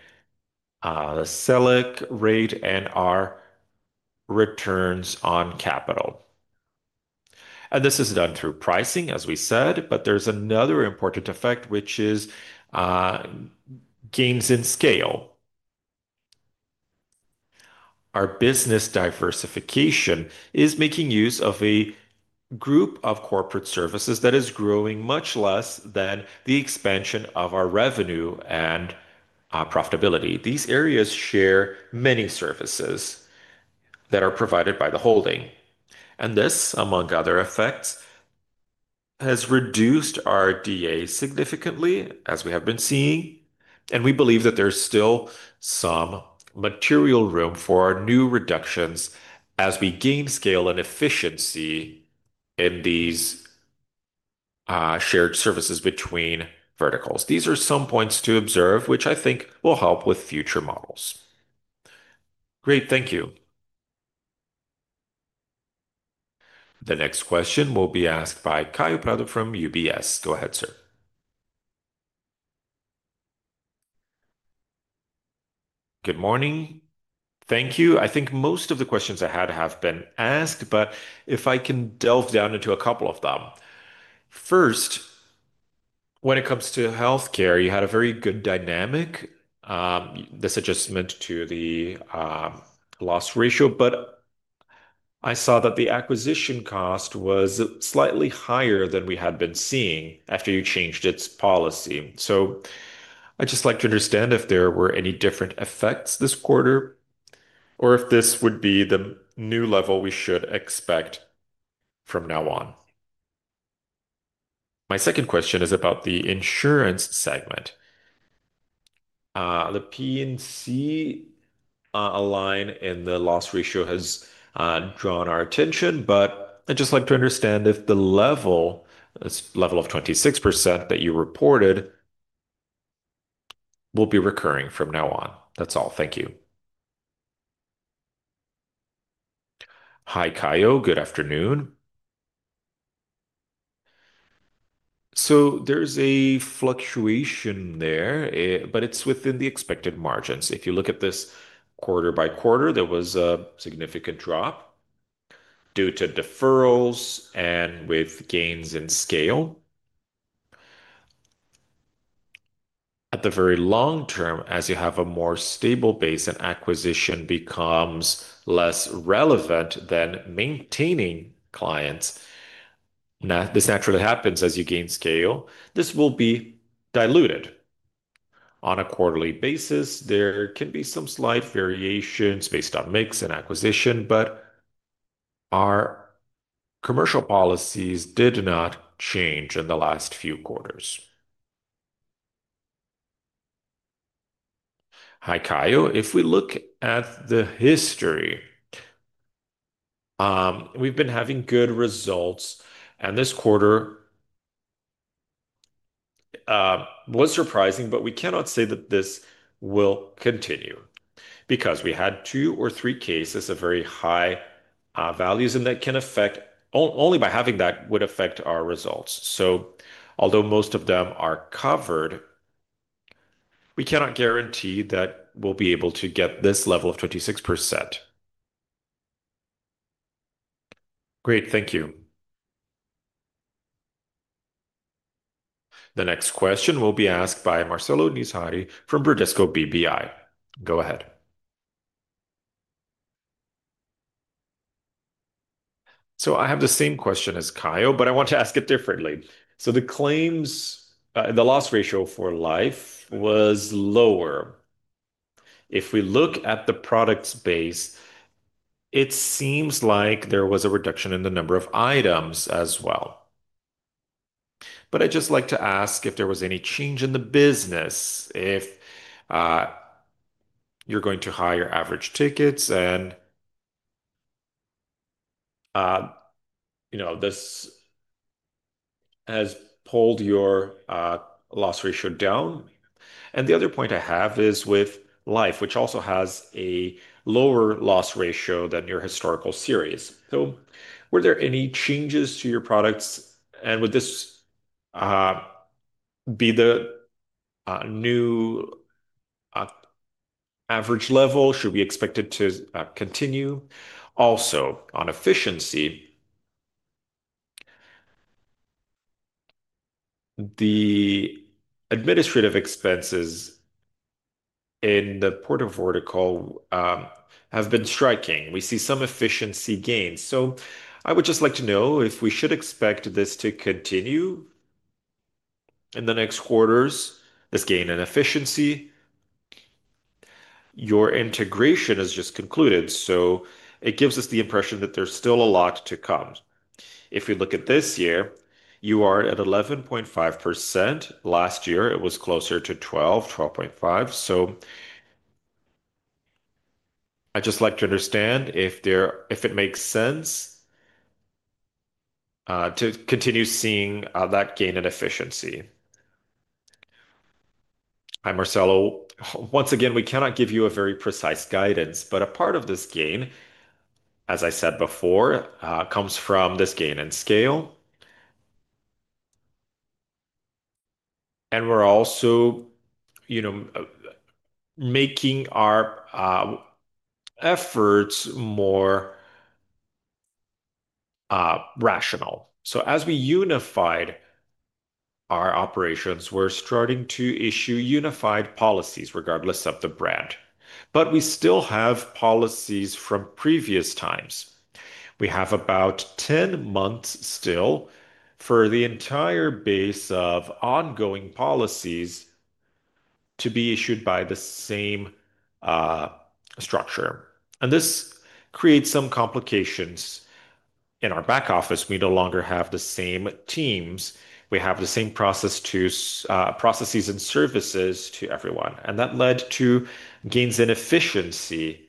G: the Selic rate and our returns on capital. This is done through pricing, as we said, but there's another important effect, which is gains in scale. Our business diversification is making use of a group of corporate services that is growing much less than the expansion of our revenue and profitability. These areas share many services that are provided by the holding. This, among other effects, has reduced our DA significantly, as we have been seeing. We believe that there's still some material room for new reductions as we gain scale and efficiency in these shared services between verticals. These are some points to observe, which I think will help with future models.
L: Great. Thank you.
A: The next question will be asked by Kaio Prato from UBS. Go ahead, sir.
M: Good morning. Thank you. I think most of the questions I had have been asked, but if I can delve down into a couple of them. First, when it comes to healthcare, you had a very good dynamic, this adjustment to the loss ratio, but I saw that the acquisition cost was slightly higher than we had been seeing after you changed its policy. I'd just like to understand if there were any different effects this quarter or if this would be the new level we should expect from now on. My second question is about the insurance segment. The P&C line in the loss ratio has drawn our attention, but I'd just like to understand if the level, this level of 26% that you reported, will be recurring from now on. That's all. Thank you.
N: Hi, Caio. Good afternoon. There's a fluctuation there, but it's within the expected margins. If you look at this quarter by quarter, there was a significant drop due to deferrals and with gains in scale. At the very long term, as you have a more stable base, an acquisition becomes less relevant than maintaining clients. This actually happens as you gain scale. This will be diluted. On a quarterly basis, there can be some slight variations based on mix and acquisition, but our commercial policies did not change in the last few quarters.
G: Hi, Caio. If we look at the history, we've been having good results, and this quarter was surprising, but we cannot say that this will continue because we had two or three cases of very high values, and that can affect, only by having that would affect our results. Although most of them are covered, we cannot guarantee that we'll be able to get this level of 26%.
M: Great. Thank you.
A: The next question will be asked by Marcelo Mizrahi from Bradesco BBI. Go ahead.
O: I have the same question as Kaio, but I want to ask it differently. The claims, the loss ratio for life was lower. If we look at the products base, it seems like there was a reduction in the number of items as well. I'd just like to ask if there was any change in the business, if you're going to hire average tickets and, you know, this has pulled your loss ratio down. The other point I have is with life, which also has a lower loss ratio than your historical series. Were there any changes to your products, and would this be the new average level? Should we expect it to continue? Also, on efficiency, the administrative expenses in the Porto vertical have been striking. We see some efficiency gains. I would just like to know if we should expect this to continue in the next quarters, this gain in efficiency. Your integration has just concluded, so it gives us the impression that there's still a lot to come. If you look at this year, you are at 11.5%. Last year, it was closer to 12%, 12.5%. I'd just like to understand if it makes sense to continue seeing that gain in efficiency.
G: Hi, Marcelo. Once again, we cannot give you a very precise guidance, but a part of this gain, as I said before, comes from this gain in scale. We're also making our efforts more rational. As we unified our operations, we're starting to issue unified policies regardless of the brand. We still have policies from previous times. We have about 10 months still for the entire base of ongoing policies to be issued by the same structure. This creates some complications in our back office. We no longer have the same teams. We have the same processes and services to everyone. That led to gains in efficiency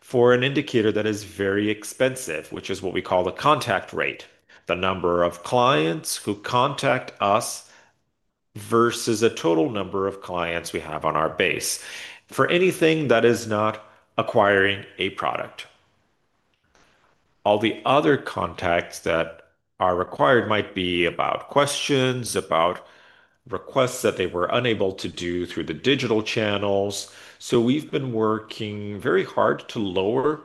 G: for an indicator that is very expensive, which is what we call the contact rate, the number of clients who contact us versus the total number of clients we have on our base. For anything that is not acquiring a product, all the other contacts that are required might be about questions, about requests that they were unable to do through the digital channels. We've been working very hard to lower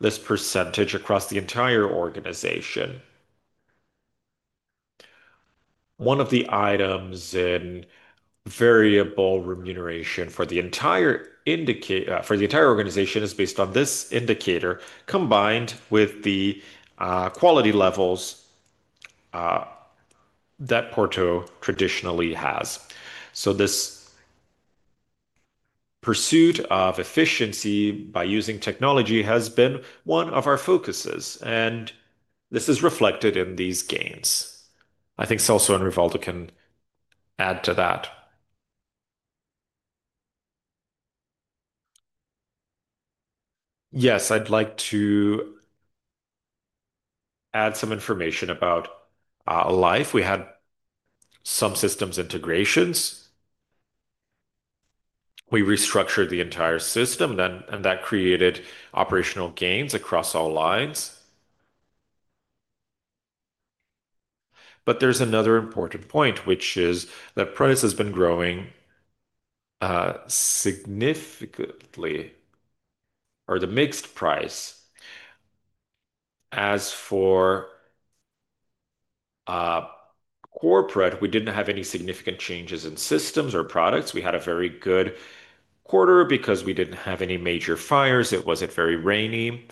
G: this percentage across the entire organization. One of the items in variable remuneration for the entire organization is based on this indicator combined with the quality levels that Porto traditionally has. This pursuit of efficiency by using technology has been one of our focuses, and this is reflected in these gains. I think Celso and Rivaldo can add to that.
C: Yes, I'd like to add some information about Life. We had some systems integrations. We restructured the entire system, and that created operational gains across all lines. There's another important point, which is that price has been growing significantly, or the mixed price. As for corporate, we didn't have any significant changes in systems or products. We had a very good quarter because we didn't have any major fires. It wasn't very rainy.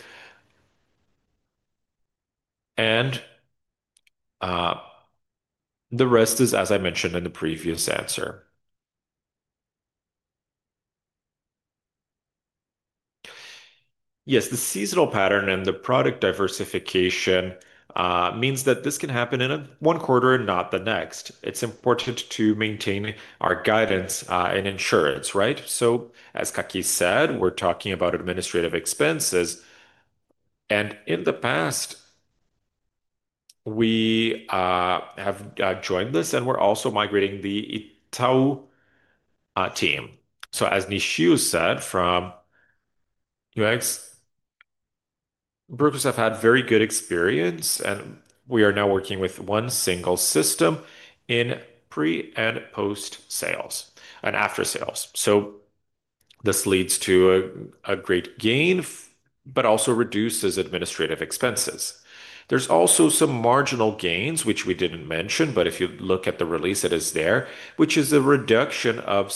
C: The rest is, as I mentioned in the previous answer.
J: Yes, the seasonal pattern and the product diversification means that this can happen in one quarter and not the next. It's important to maintain our guidance and insurance, right? As Kaki said, we're talking about administrative expenses. In the past, we have joined this, and we're also migrating the Itaú team. As Nishio said from UX, Brook has had very good experience, and we are now working with one single system in pre and post-sales, and after-sales. This leads to a great gain, but also reduces administrative expenses. There's also some marginal gains, which we didn't mention, but if you look at the release, it is there, which is a reduction of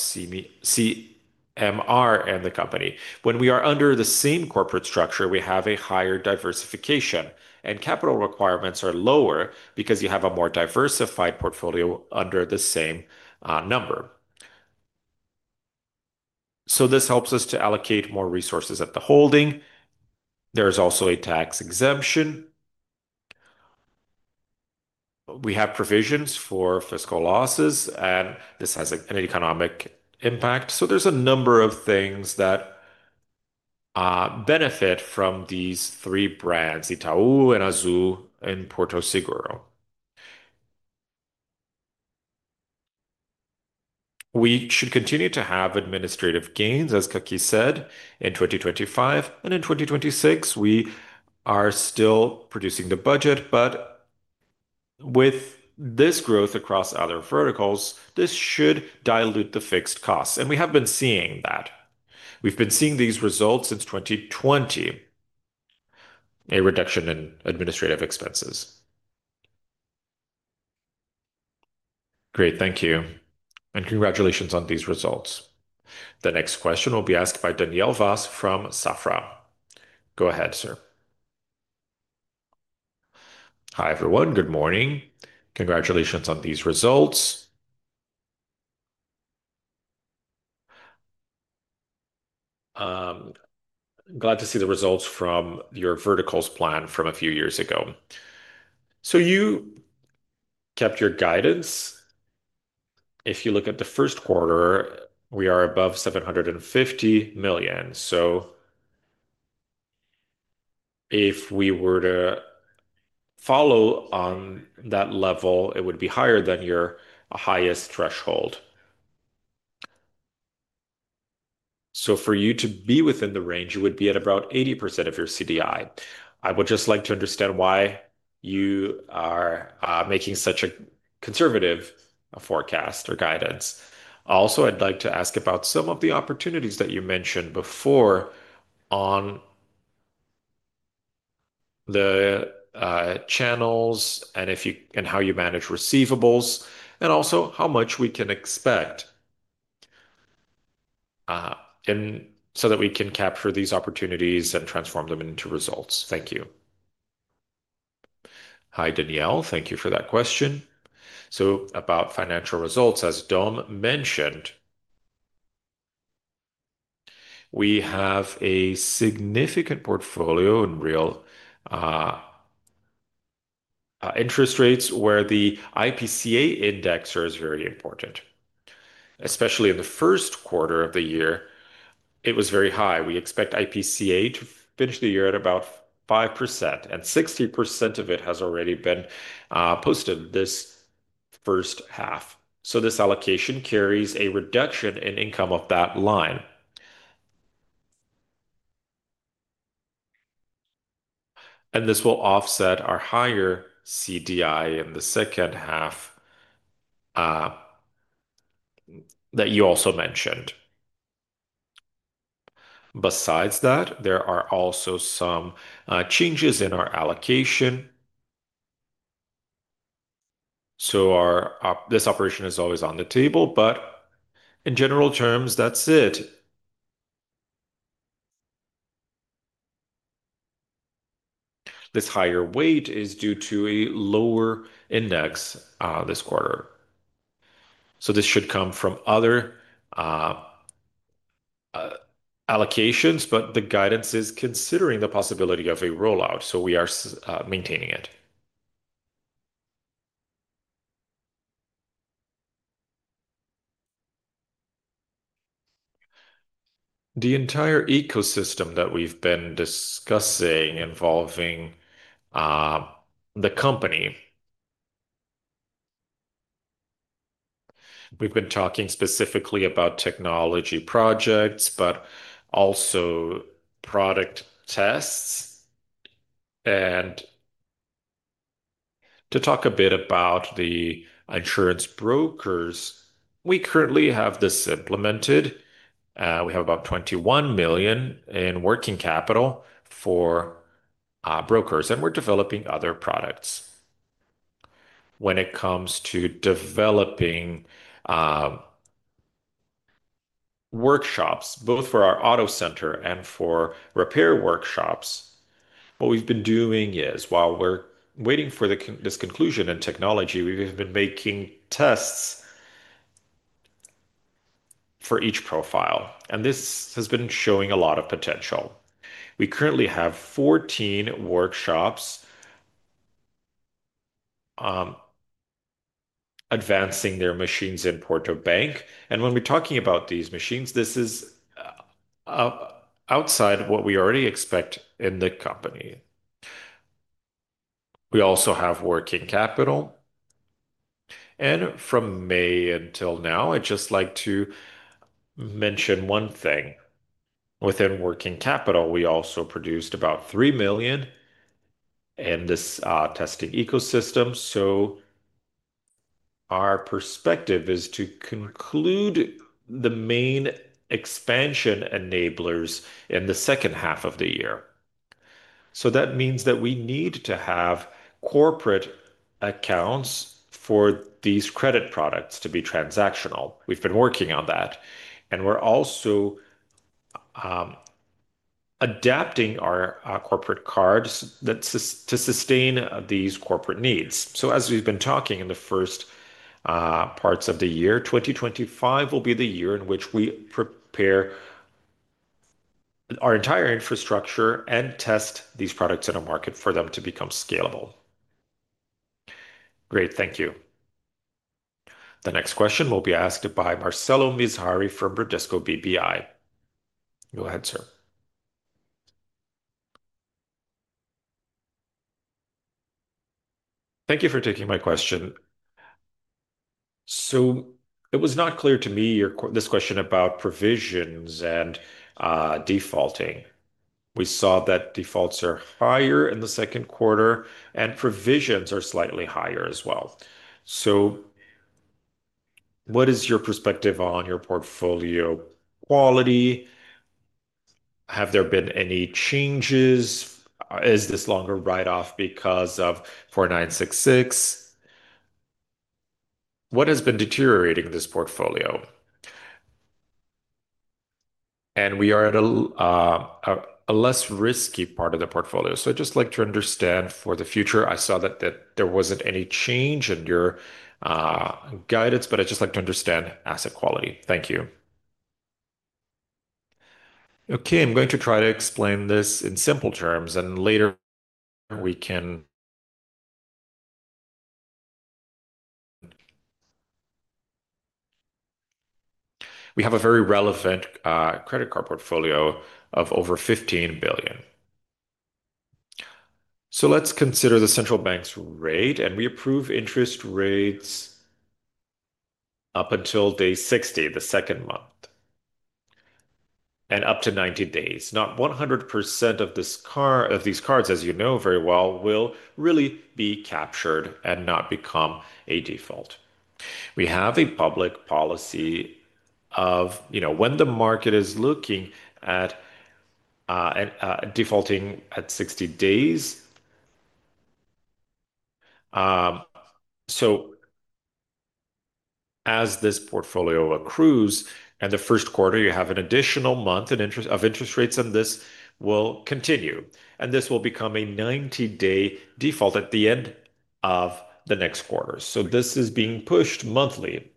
J: CMR and the company. When we are under the same corporate structure, we have a higher diversification, and capital requirements are lower because you have a more diversified portfolio under the same number. This helps us to allocate more resources at the holding. There's also a tax exemption. We have provisions for fiscal losses, and this has an economic impact. There's a number of things that benefit from these three brands, Itaú and Azul and Porto Seguro. We should continue to have administrative gains, as Kaki said, in 2025 and in 2026. We are still producing the budget, but with this growth across other verticals, this should dilute the fixed costs, and we have been seeing that. We've been seeing these results since 2020, a reduction in administrative expenses.
O: Great. Thank you. Congratulations on these results.
A: The next question will be asked by Daniel Vaz from Safra. Go ahead, sir.
P: Hi, everyone. Good morning. Congratulations on these results. Glad to see the results from your verticals plan from a few years ago. You kept your guidance. If you look at the first quarter, we are above 750 million. If we were to follow on that level, it would be higher than your highest threshold. For you to be within the range, you would be at about 80% of your CDI. I would just like to understand why you are making such a conservative forecast or guidance. Also, I'd like to ask about some of the opportunities that you mentioned before on the channels and how you manage receivables, and also how much we can expect so that we can capture these opportunities and transform them into results. Thank you.
C: Hi, Daniel. Thank you for that question. About financial results, as Dom mentioned. We have a significant portfolio in real interest rates where the IPCA index is very important. Especially in the first quarter of the year, it was very high. We expect IPCA to finish the year at about 5%, and 60% of it has already been posted this first half. This allocation carries a reduction in income of that line. This will offset our higher CDI in the second half that you also mentioned. Besides that, there are also some changes in our allocation. This operation is always on the table, but in general terms, that's it. This higher weight is due to a lower index this quarter. This should come from other allocations, but the guidance is considering the possibility of a rollout, so we are maintaining it.
G: The entire ecosystem that we've been discussing involving the company, we've been talking specifically about technology projects, but also product tests. To talk a bit about the insurance brokers, we currently have this implemented. We have about 21 million in working capital for brokers, and we're developing other products. When it comes to developing workshops, both for our auto center and for repair workshops, what we've been doing is, while we're waiting for this conclusion in technology, we've been making tests for each profile. This has been showing a lot of potential. We currently have 14 workshops advancing their machines in Porto Bank. When we're talking about these machines, this is outside of what we already expect in the company. We also have working capital. From May until now, I'd just like to mention one thing. Within working capital, we also produced about 3 million in this tested ecosystem. Our perspective is to conclude the main expansion enablers in the second half of the year. That means that we need to have corporate accounts for these credit products to be transactional. We've been working on that. We're also adapting our corporate cards to sustain these corporate needs. As we've been talking in the first parts of the year, 2025 will be the year in which we prepare our entire infrastructure and test these products in a market for them to become scalable.
P: Great, thank you.
A: The next question will be asked by Marcelo Mizrahi from Bradesco BBI. Go ahead, sir.
O: Thank you for taking my question. It was not clear to me this question about provisions and defaulting. We saw that defaults are higher in the second quarter, and provisions are slightly higher as well. What is your perspective on your portfolio quality? Have there been any changes? Is this longer write-off because of 4966? What has been deteriorating this portfolio? We are at a less risky part of the portfolio. I'd just like to understand for the future. I saw that there wasn't any change in your guidance, but I'd just like to understand asset quality. Thank you.
D: Okay, I'm going to try to explain this in simple terms, and later we can... We have a very relevant credit card portfolio of over 15 billion. Let's consider the central bank's rate, and we approve interest rates up until day 60, the second month, and up to 90 days. Not 100% of these cards, as you know very well, will really be captured and not become a default. We have a public policy of, you know, when the market is looking at defaulting at 60 days. As this portfolio accrues, in the first quarter, you have an additional month of interest rates, and this will continue. This will become a 90-day default at the end of the next quarter. This is being pushed monthly.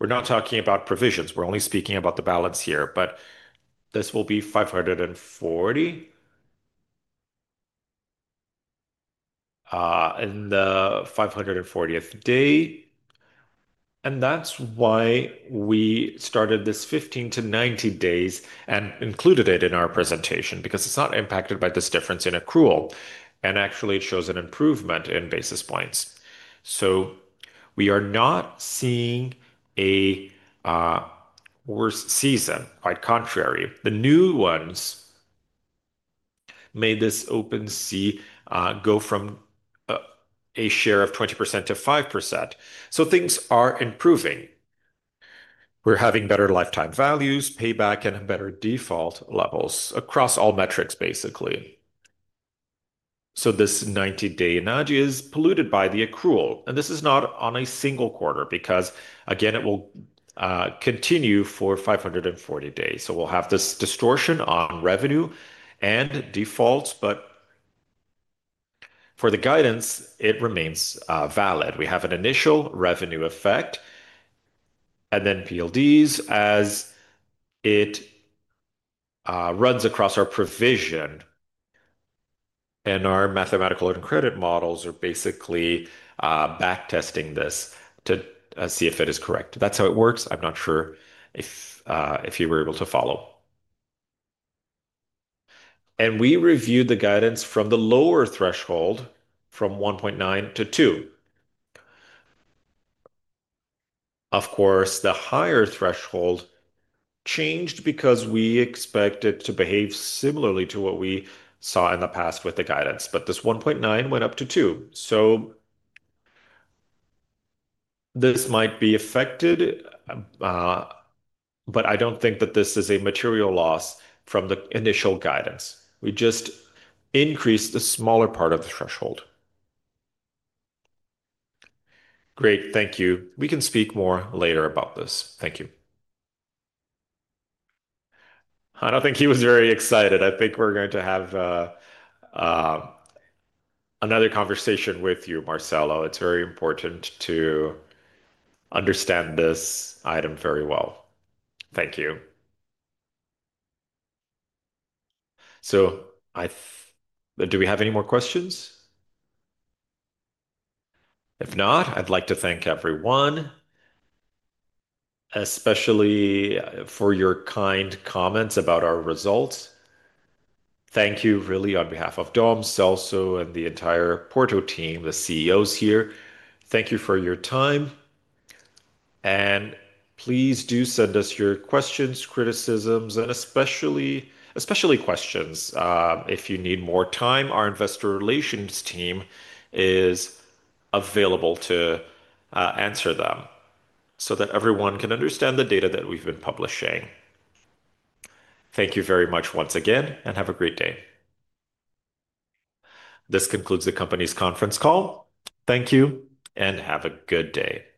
D: We're not talking about provisions. We're only speaking about the balance here, but this will be 540. And the 540th day. That's why we started this 15 to 90 days and included it in our presentation, because it's not impacted by this difference in accrual and actually shows an improvement in basis points. We are not seeing a worse season, quite the contrary. The new ones made this open sea go from a share of 20% to 5%. Things are improving. We're having better lifetime values, payback, and better default levels across all metrics, basically. This 90-day nudge is polluted by the accrual. This is not on a single quarter because, again, it will continue for 540 days. We'll have this distortion on revenue and defaults, but for the guidance, it remains valid. We have an initial revenue effect, and then PLDs as it runs across our provision. Our mathematical and credit models are basically back-testing this to see if it is correct. That's how it works. I'm not sure if you were able to follow.
C: We reviewed the guidance from the lower threshold from 1.9% to 2%. Of course, the higher threshold changed because we expect it to behave similarly to what we saw in the past with the guidance. This 1.9% went up to 2%. This might be affected, but I don't think that this is a material loss from the initial guidance. We just increased a smaller part of the threshold.
O: Great, thank you. We can speak more later about this. Thank you.
B: I don't think he was very excited. I think we're going to have another conversation with you, Marcelo. It's very important to understand this item very well. Thank you. Do we have any more questions? If not, I'd like to thank everyone, especially for your kind comments about our results. Thank you really on behalf of Dom, Celso, and the entire Porto team, the CEOs here. Thank you for your time. Please do send us your questions, criticisms, and especially questions. If you need more time, our Investor Relations team is available to answer them so that everyone can understand the data that we've been publishing. Thank you very much once again, and have a great day.
A: This concludes the company's conference call. Thank you, and have a good day.